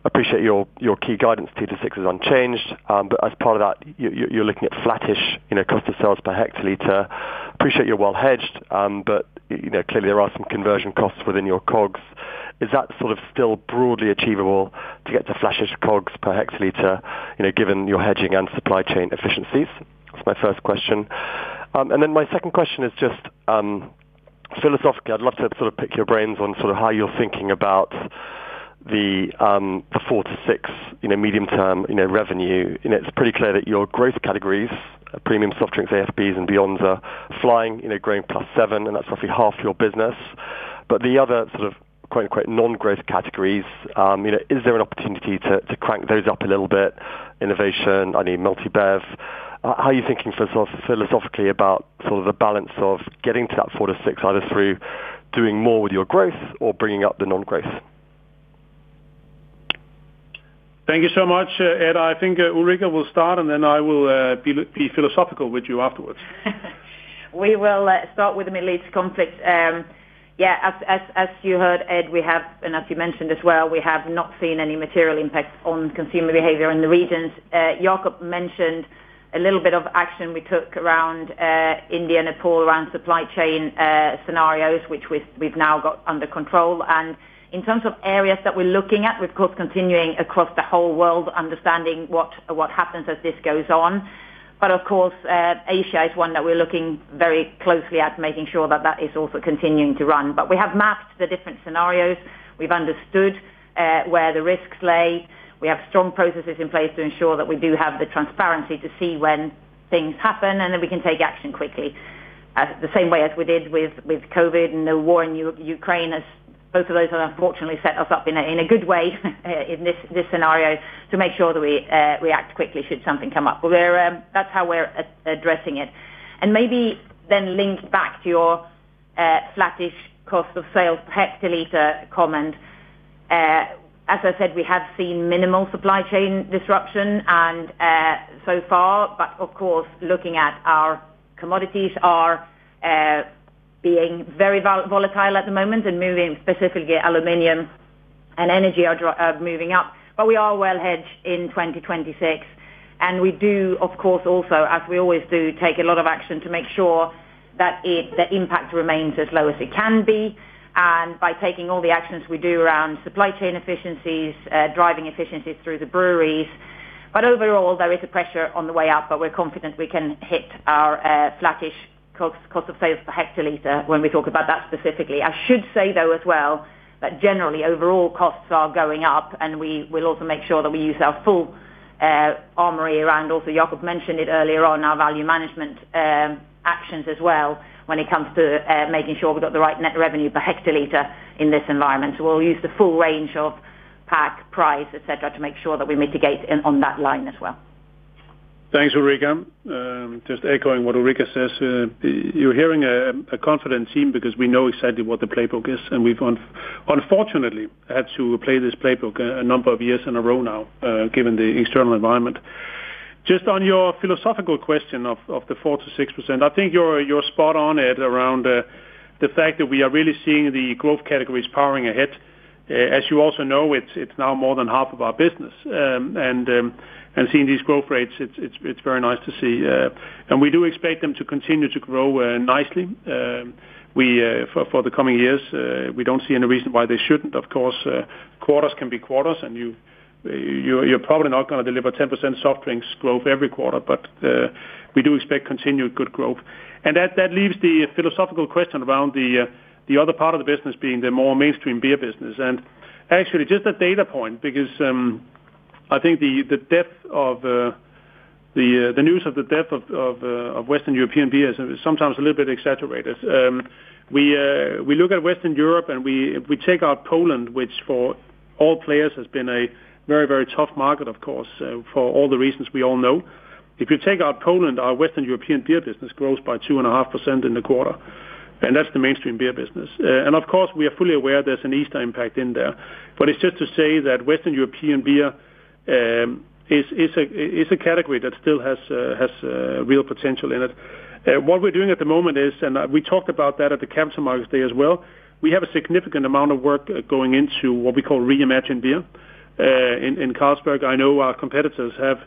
appreciate your key guidance two to six is unchanged. But as part of that, you're looking at flattish, you know, cost of sales per hectoliter. Appreciate you're well hedged, but, you know, clearly there are some conversion costs within your COGS. Is that sort of still broadly achievable to get to flattish COGS per hectoliter, you know, given your hedging and supply chain efficiencies? That's my first question. My second question is just, philosophically, I'd love to sort of pick your brains on sort of how you're thinking about the 4%-6%, you know, medium term, you know, revenue. You know, it's pretty clear that your growth categories, premium soft drinks, AFBs, and beyonds are flying, you know, growing +7%, and that's roughly half your business. The other sort of quote-unquote non-growth categories, you know, is there an opportunity to crank those up a little bit? Innovation, I mean, multi-bevs. How are you thinking philosophically about sort of the balance of getting to that 4%-6%, either through doing more with your growth or bringing up the non-growth? Thank you so much, Edward. I think Ulrica will start, and then I will be philosophical with you afterwards. We will start with the Middle East conflict. Yeah, as you heard, Ed, we have, and as you mentioned as well, we have not seen any material impact on consumer behavior in the regions. Jacob mentioned a little bit of action we took around India and Nepal around supply chain scenarios, which we've now got under control. In terms of areas that we're looking at, we're of course continuing across the whole world understanding what happens as this goes on. Of course, Asia is one that we're looking very closely at, making sure that that is also continuing to run. We have mapped the different scenarios. We've understood where the risks lay. We have strong processes in place to ensure that we do have the transparency to see when things happen, we can take action quickly. The same way as we did with COVID and the war in Ukraine, as both of those have unfortunately set us up in a good way in this scenario to make sure that we react quickly should something come up. That's how we're addressing it. Maybe then linked back to your flattish cost of sales per hectoliter comment, as I said, we have seen minimal supply chain disruption and so far. Of course, looking at our commodities are being very volatile at the moment and moving, specifically aluminum and energy are moving up. We are well hedged in 2026, and we do of course also, as we always do, take a lot of action to make sure that it, the impact remains as low as it can be, and by taking all the actions we do around supply chain efficiencies, driving efficiencies through the breweries. Overall, there is a pressure on the way up, but we're confident we can hit our flattish cost of sales per hectoliter when we talk about that specifically. I should say, though, as well, that generally overall costs are going up, and we will also make sure that we use our full armory around, also Jacob mentioned it earlier on, our value management actions as well when it comes to making sure we've got the right net revenue per hectoliter in this environment. We'll use the full range of pack, price, etc, to make sure that we mitigate in, on that line as well. Thanks, Ulrica. Just echoing what Ulrica says, you're hearing a confident team because we know exactly what the playbook is, and we've unfortunately had to play this playbook a number of years in a row now, given the external environment. Just on your philosophical question of the 4%-6%, I think you're spot on, Ed, around the fact that we are really seeing the growth categories powering ahead. As you also know, it's now more than half of our business. Seeing these growth rates, it's very nice to see. We do expect them to continue to grow nicely. We for the coming years, we don't see any reason why they shouldn't. Of course, quarters can be quarters, and you're probably not gonna deliver 10% soft drinks growth every quarter, but we do expect continued good growth. That leaves the philosophical question around the other part of the business being the more mainstream beer business. Actually, just a data point, because I think the news of the death of Western European beer is sometimes a little bit exaggerated. We look at Western Europe and we, if we take out Poland, which for all players has been a very, very tough market, of course, for all the reasons we all know. If you take out Poland, our Western European beer business grows by 2.5% in the quarter, and that's the mainstream beer business. Of course, we are fully aware there's an Easter impact in there. It's just to say that Western European beer is a category that still has real potential in it. What we're doing at the moment is, we talked about that at the Capital Markets Day as well, we have a significant amount of work going into what we call reimagined beer in Carlsberg. I know our competitors have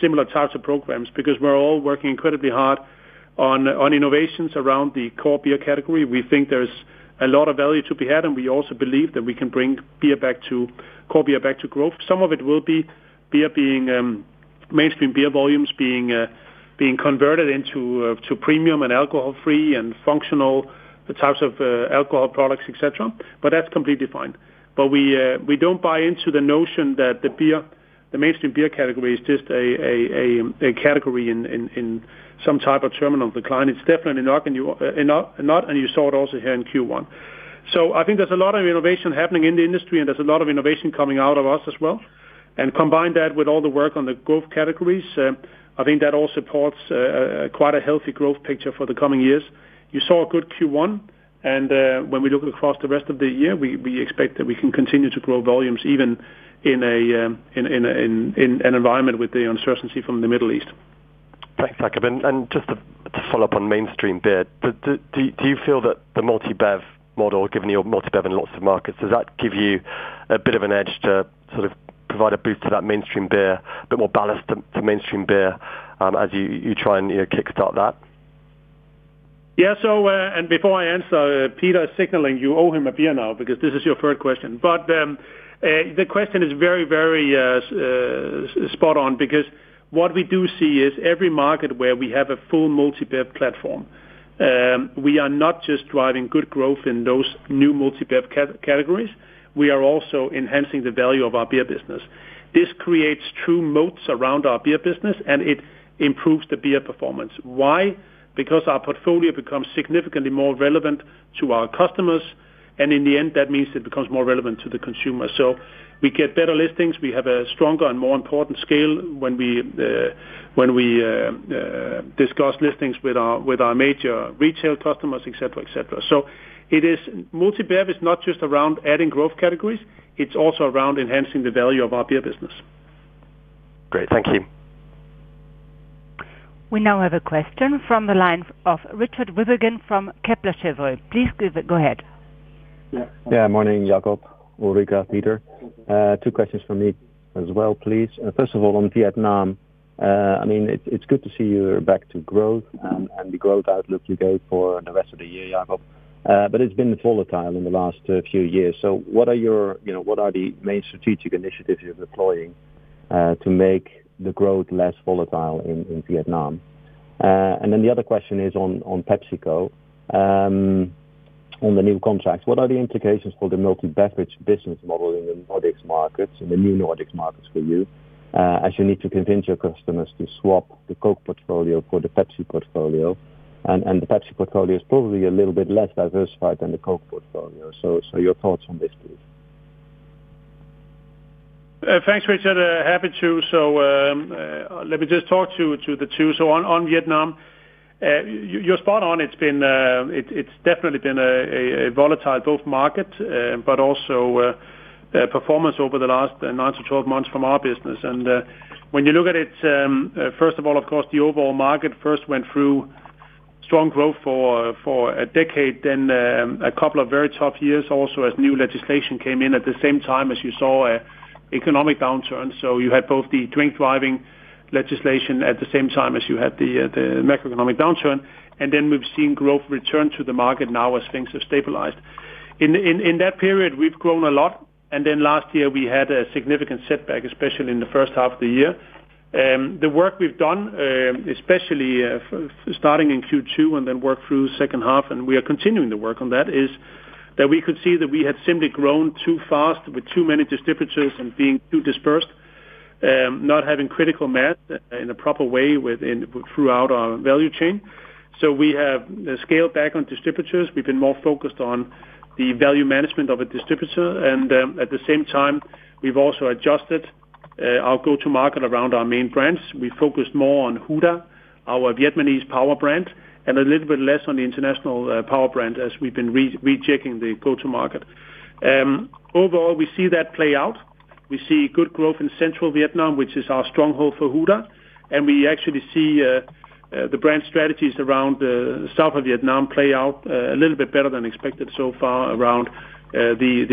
similar types of programs because we're all working incredibly hard on innovations around the core beer category. We think there's a lot of value to be had, and we also believe that we can bring core beer back to growth. Some of it will be beer being mainstream beer volumes being converted into to premium and alcohol-free and functional types of alcohol products, etc. That's completely fine. We don't buy into the notion that the beer, the mainstream beer category is just a category in some type of terminal decline. It's definitely not, and you saw it also here in Q1. I think there's a lot of innovation happening in the industry, and there's a lot of innovation coming out of us as well. Combine that with all the work on the growth categories, I think that all supports quite a healthy growth picture for the coming years. You saw a good Q1. When we look across the rest of the year, we expect that we can continue to grow volumes even in an environment with the uncertainty from the Middle East. Thanks, Jacob. Just to follow up on mainstream beer, do you feel that the multi-bev model, given your multi-bev in lots of markets, does that give you a bit of an edge to sort of provide a boost to that mainstream beer, a bit more ballast to mainstream beer, as you try and, you know, kickstart that? Yeah. Before I answer, Peter is signaling you owe him a beer now because this is your third question. The question is very, very spot on because what we do see is every market where we have a full multi-bev platform, we are not just driving good growth in those new multi-bev categories. We are also enhancing the value of our beer business. This creates true moats around our beer business, and it improves the beer performance. Why? Because our portfolio becomes significantly more relevant to our customers, and in the end, that means it becomes more relevant to the consumer. We get better listings. We have a stronger and more important scale when we discuss listings with our, with our major retail customers, etc, etc. Multi-bev is not just around adding growth categories, it's also around enhancing the value of our beer business. Great. Thank you. We now have a question from the lines of Richard Withagen from Kepler Cheuvreux. Please go ahead. Morning, Jacob, Ulrica, Peter. Two questions from me as well, please. First of all, on Vietnam, I mean, it's good to see you're back to growth, and the growth outlook you gave for the rest of the year, Jacob. But it's been volatile in the last few years. What are your, you know, what are the main strategic initiatives you're deploying to make the growth less volatile in Vietnam? The other question is on PepsiCo, on the new contract. What are the implications for the multi-bev business model in the new Nordics markets for you, as you need to convince your customers to swap the Coke portfolio for the Pepsi portfolio, and the Pepsi portfolio is probably a little bit less diversified than the Coke portfolio. Your thoughts on this, please. Thanks, Richard. Happy to. Let me just talk to the two. On, on Vietnam, you're spot on. It's definitely been a volatile both market, but also, performance over the last nine to 12 months from our business. When you look at it, first of all, of course, the overall market first went through strong growth for a decade, then, a couple of very tough years also as new legislation came in at the same time as you saw a economic downturn. You had both the drink driving legislation at the same time as you had the macroeconomic downturn, and then we've seen growth return to the market now as things have stabilized. In that period, we've grown a lot. Last year we had a significant setback, especially in the first half of the year. The work we've done, especially starting in Q2 and then work through second half, and we are continuing to work on that, is that we could see that we had simply grown too fast with too many distributors and being too dispersed, not having critical mass in a proper way throughout our value chain. We have scaled back on distributors. We've been more focused on the value management of a distributor. At the same time, we've also adjusted our go-to-market around our main brands. We focused more on Huda, our Vietnamese power brand, a little bit less on the international power brand as we've been rechecking the go-to-market. Overall, we see that play out. We see good growth in Central Vietnam, which is our stronghold for Huda, and we actually see the brand strategies around South of Vietnam play out a little bit better than expected so far around the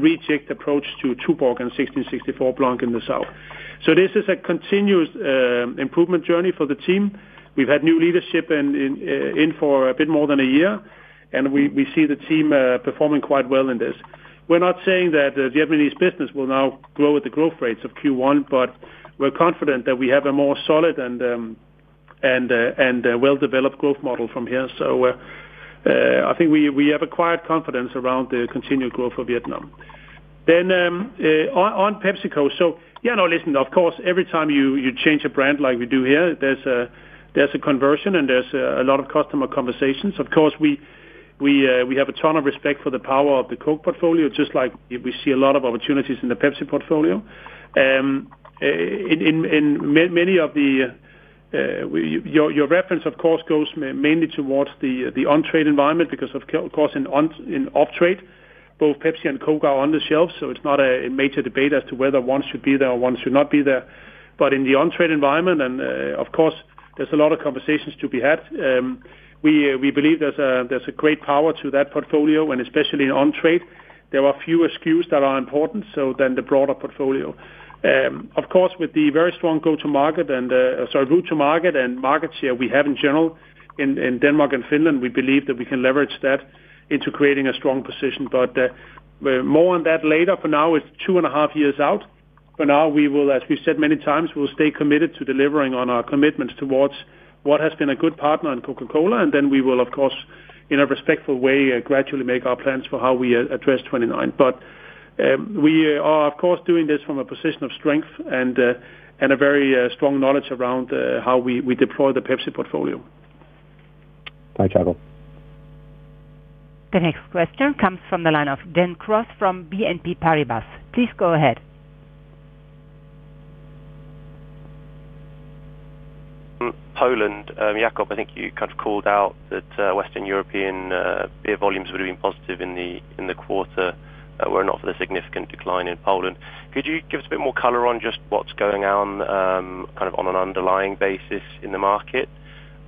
rechecked approach to Tuborg and 1664 Blanc in the South. This is a continuous improvement journey for the team. We've had new leadership in for a bit more than a year, and we see the team performing quite well in this. We're not saying that the Vietnamese business will now grow at the growth rates of Q1, but we're confident that we have a more solid and a well-developed growth model from here. I think we have acquired confidence around the continued growth of Vietnam. On PepsiCo. Yeah, no, listen, of course, every time you change a brand like we do here, there's a conversion and there's a lot of customer conversations. Of course, we have a ton of respect for the power of the Coke portfolio, just like we see a lot of opportunities in the Pepsi portfolio. In many of the, your reference, of course, goes mainly towards the on-trade environment because of course, in off-trade, both Pepsi and Coke are on the shelf, it's not a major debate as to whether one should be there or one should not be there. In the on-trade environment, and, of course, there's a lot of conversations to be had. We believe there's a great power to that portfolio, when especially in on-trade, there are few SKUs that are important, so than the broader portfolio. Of course, with the very strong go-to-market and, sorry, route to market and market share we have in general in Denmark and Finland, we believe that we can leverage that into creating a strong position. More on that later. For now, it's two and half years out. For now, we will, as we said many times, we'll stay committed to delivering on our commitments towards what has been a good partner in Coca-Cola, and then we will, of course, in a respectful way, gradually make our plans for how we address 2029. We are, of course, doing this from a position of strength and a very strong knowledge around how we deploy the Pepsi portfolio. Thanks, Jacob. The next question comes from the line of Gen Cross from BNP Paribas. Please go ahead. Poland, Jacob, I think you kind of called out that Western European beer volumes would have been positive in the quarter were it not for the significant decline in Poland. Could you give us a bit more color on just what's going on, kind of on an underlying basis in the market,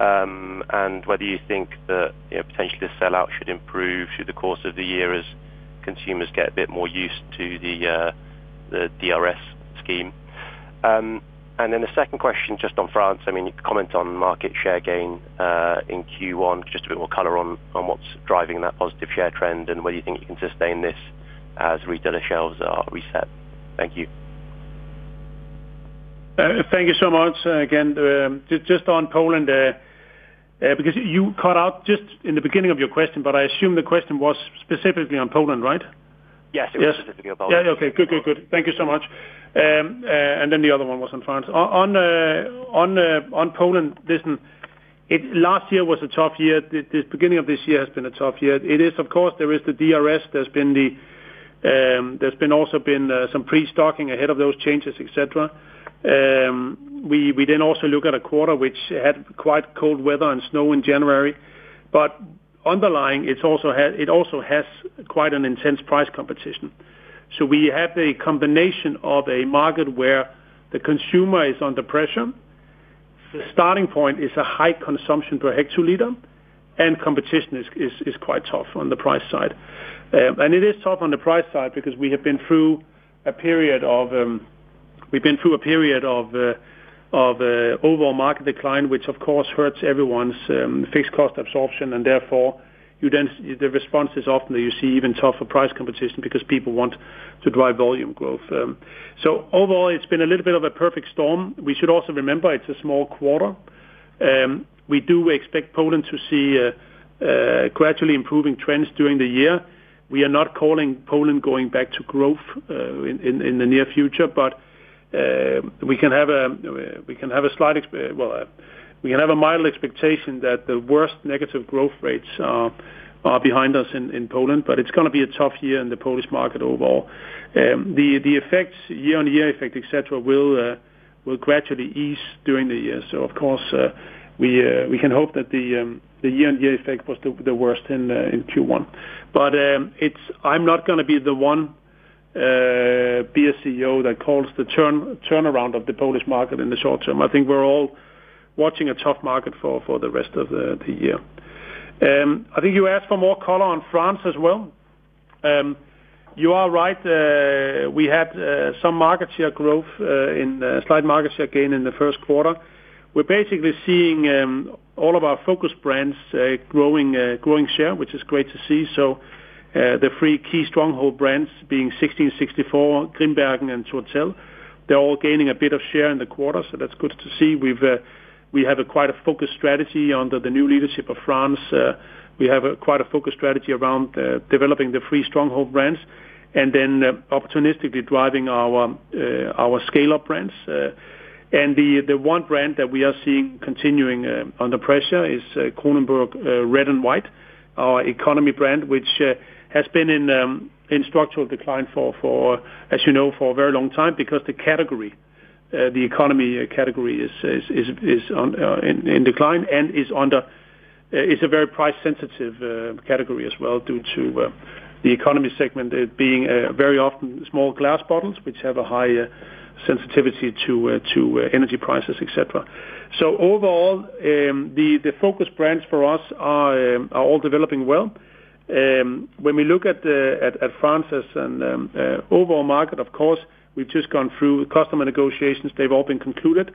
and whether you think that, you know, potentially the sellout should improve through the course of the year as consumers get a bit more used to the DRS scheme? The second question, just on France, I mean, comment on market share gain in Q1, just a bit more color on what's driving that positive share trend, and whether you think you can sustain this as retailer shelves are reset. Thank you. Thank you so much. Again, just on Poland, because you cut out just in the beginning of your question, but I assume the question was specifically on Poland, right? Yes. It was specifically on Poland. Okay. Good. Thank you so much. The other one was on France. On Poland, listen, last year was a tough year. The beginning of this year has been a tough year. It is, of course, there is the DRS, there's also been some pre-stocking ahead of those changes, etc. We also look at a quarter which had quite cold weather and snow in January. Underlying, it also has quite an intense price competition. We have a combination of a market where the consumer is under pressure. The starting point is a high consumption per hectoliter, competition is quite tough on the price side. It is tough on the price side because we've been through a period of overall market decline, which of course hurts everyone's fixed cost absorption and therefore you then the response is often that you see even tougher price competition because people want to drive volume growth. Overall, it's been a little bit of a perfect storm. We should also remember it's a small quarter. We do expect Poland to see gradually improving trends during the year. We are not calling Poland going back to growth in the near future. We can have a mild expectation that the worst negative growth rates are behind us in Poland, but it's gonna be a tough year in the Polish market overall. The effects, year-on-year effect, etc, will gradually ease during the year. Of course, we can hope that the year-on-year effect was the worst in Q1. I'm not gonna be the one be a CEO that calls the turnaround of the Polish market in the short term. I think we're all watching a tough market for the rest of the year. I think you asked for more color on France as well. You are right. We had some market share growth in slight market share gain in the first quarter. We're basically seeing all of our focus brands growing share, which is great to see. The three key stronghold brands being 1664, Grimbergen, and Tourtel. They're all gaining a bit of share in the quarter, that's good to see. We have a quite a focused strategy under the new leadership of France around developing the three stronghold brands and then opportunistically driving our scale-up brands. The one brand that we are seeing continuing under pressure is Kronenbourg Red and White, our economy brand, which has been in structural decline for, as you know, for a very long time because the category, the economy category is on in decline and is under is a very price sensitive category as well due to the economy segment being very often small glass bottles, which have a higher sensitivity to energy prices, etc. Overall, the focus brands for us are all developing well. When we look at France as an overall market, of course, we've just gone through customer negotiations. They've all been concluded,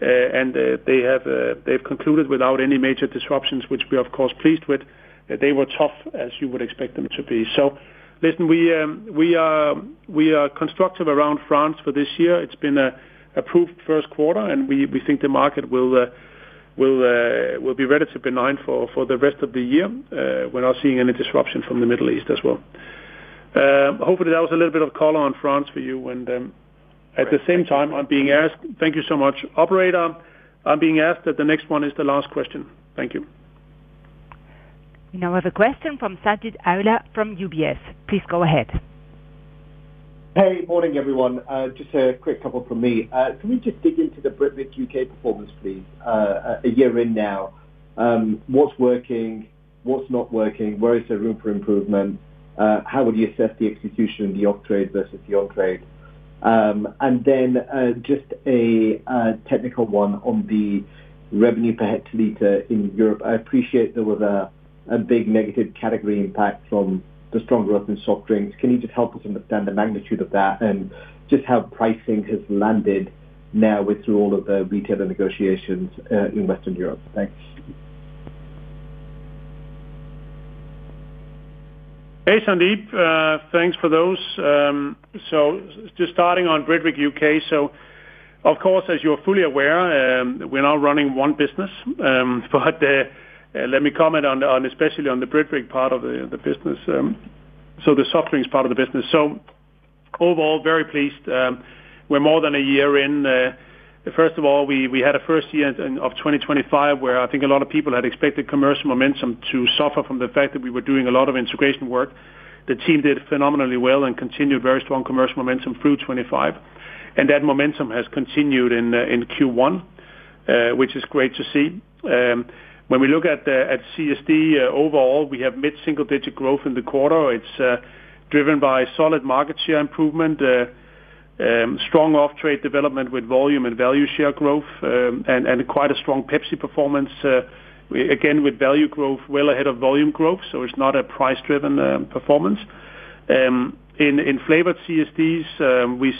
and they have, they've concluded without any major disruptions, which we are of course pleased with. They were tough as you would expect them to be. We are constructive around France for this year. It's been an approved first quarter, and we think the market will be relatively benign for the rest of the year, without seeing any disruption from the Middle East as well. Hopefully that was a little bit of color on France for you when, at the same time I'm being asked. Thank you so much. Operator, I'm being asked that the next one is the last question. Thank you. Now I have a question from Sanjeet Aujla from UBS. Please go ahead. Hey. Morning, everyone. Just a quick couple from me. Can we just dig into the Britvic U.K. performance please, a year in now? What's working? What's not working? Where is there room for improvement? How would you assess the execution of the off-trade versus the on-trade? Just a technical one on the revenue per hectoliter in Europe. I appreciate there was a big negative category impact from the strong growth in soft drinks. Can you just help us understand the magnitude of that and just how pricing has landed now with through all of the retailer negotiations in Western Europe? Thanks. Hey, Sanjeet. Thanks for those. Just starting on Britvic U.K. Of course, as you're fully aware, we're now running one business. Let me comment especially on the Britvic part of the business. The soft drinks part of the business. Overall, very pleased. We're more than a year in. First of all, we had a first year of 2025, where I think a lot of people had expected commercial momentum to suffer from the fact that we were doing a lot of integration work. The team did phenomenally well and continued very strong commercial momentum through 2025, and that momentum has continued in Q1, which is great to see. When we look at CSD overall, we have mid-single digit growth in the quarter. It's driven by solid market share improvement, strong off-trade development with volume and value share growth, and quite a strong Pepsi performance, again, with value growth well ahead of volume growth. It's not a price-driven performance. In flavored CSDs, we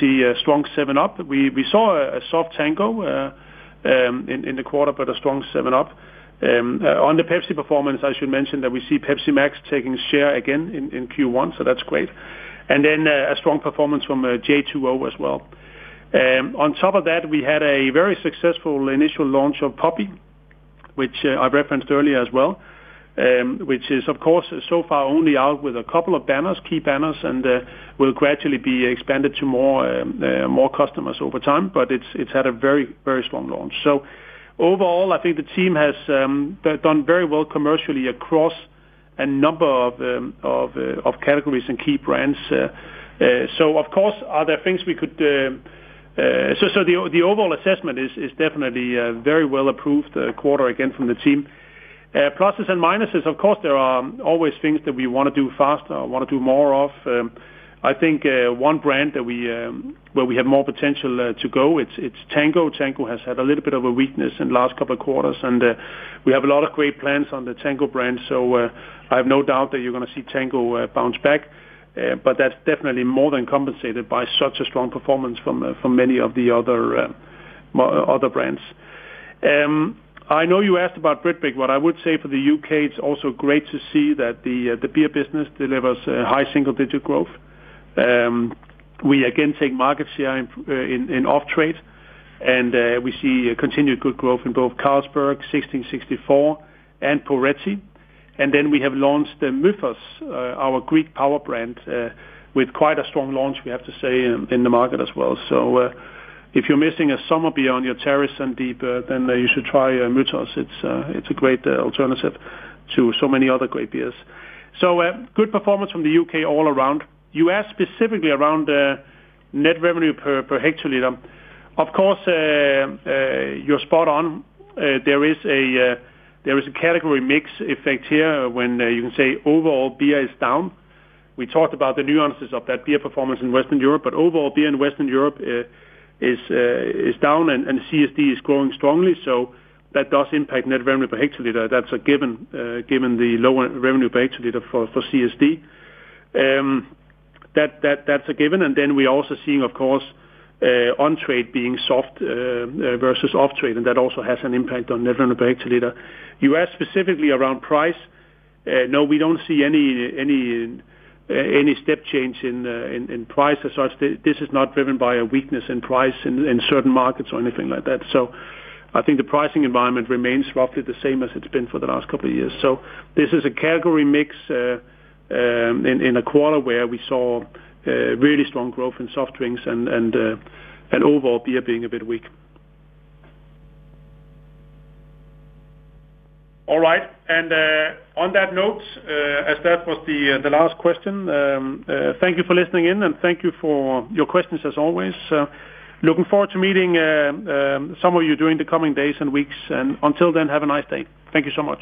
see a strong 7Up. We saw a soft Tango in the quarter, a strong 7Up. On the Pepsi performance, I should mention that we see Pepsi Max taking share again in Q1, that's great. A strong performance from J2O as well. On top of that, we had a very successful initial launch of Poppi, which I referenced earlier as well, which is of course so far only out with a couple of banners, key banners, and will gradually be expanded to more customers over time, but it's had a very, very strong launch. Overall, I think the team has done very well commercially across a number of categories and key brands. Of course, the overall assessment is definitely a very well approved quarter again from the team. Pluses and minuses, of course, there are always things that we wanna do faster or wanna do more of. I think one brand that we where we have more potential to go it's Tango. Tango has had a little bit of a weakness in the last couple quarters, we have a lot of great plans on the Tango brand. I have no doubt that you're gonna see Tango bounce back. That's definitely more than compensated by such a strong performance from many of the other brands. I know you asked about Britvic. What I would say for the U.K., it's also great to see that the beer business delivers high single-digit growth. We again take market share in off-trade, we see continued good growth in both Carlsberg, 1664 and [Peroni]. We have launched Mythos, our Greek power brand, with quite a strong launch, we have to say, in the market as well. If you're missing a summer beer on your terrace and beer, you should try Mythos. It's a great alternative to so many other great beers. Good performance from the U.K. all around. You asked specifically around net revenue per hectoliter. Of course, you're spot on. There is a category mix effect here when you can say overall beer is down. We talked about the nuances of that beer performance in Western Europe, overall beer in Western Europe is down and CSD is growing strongly, that does impact net revenue per hectoliter. That's a given the lower revenue per hectoliter for CSD. That's a given, and then we're also seeing, of course, on-trade being soft versus off-trade, and that also has an impact on net revenue per hectoliter. You asked specifically around price. No, we don't see any step change in price as such. This is not driven by a weakness in price in certain markets or anything like that. I think the pricing environment remains roughly the same as it's been for the last couple of years. This is a category mix in a quarter where we saw really strong growth in soft drinks and overall beer being a bit weak. All right. On that note, as that was the last question, thank you for listening in, and thank you for your questions as always. Looking forward to meeting some of you during the coming days and weeks. Until then, have a nice day. Thank you so much.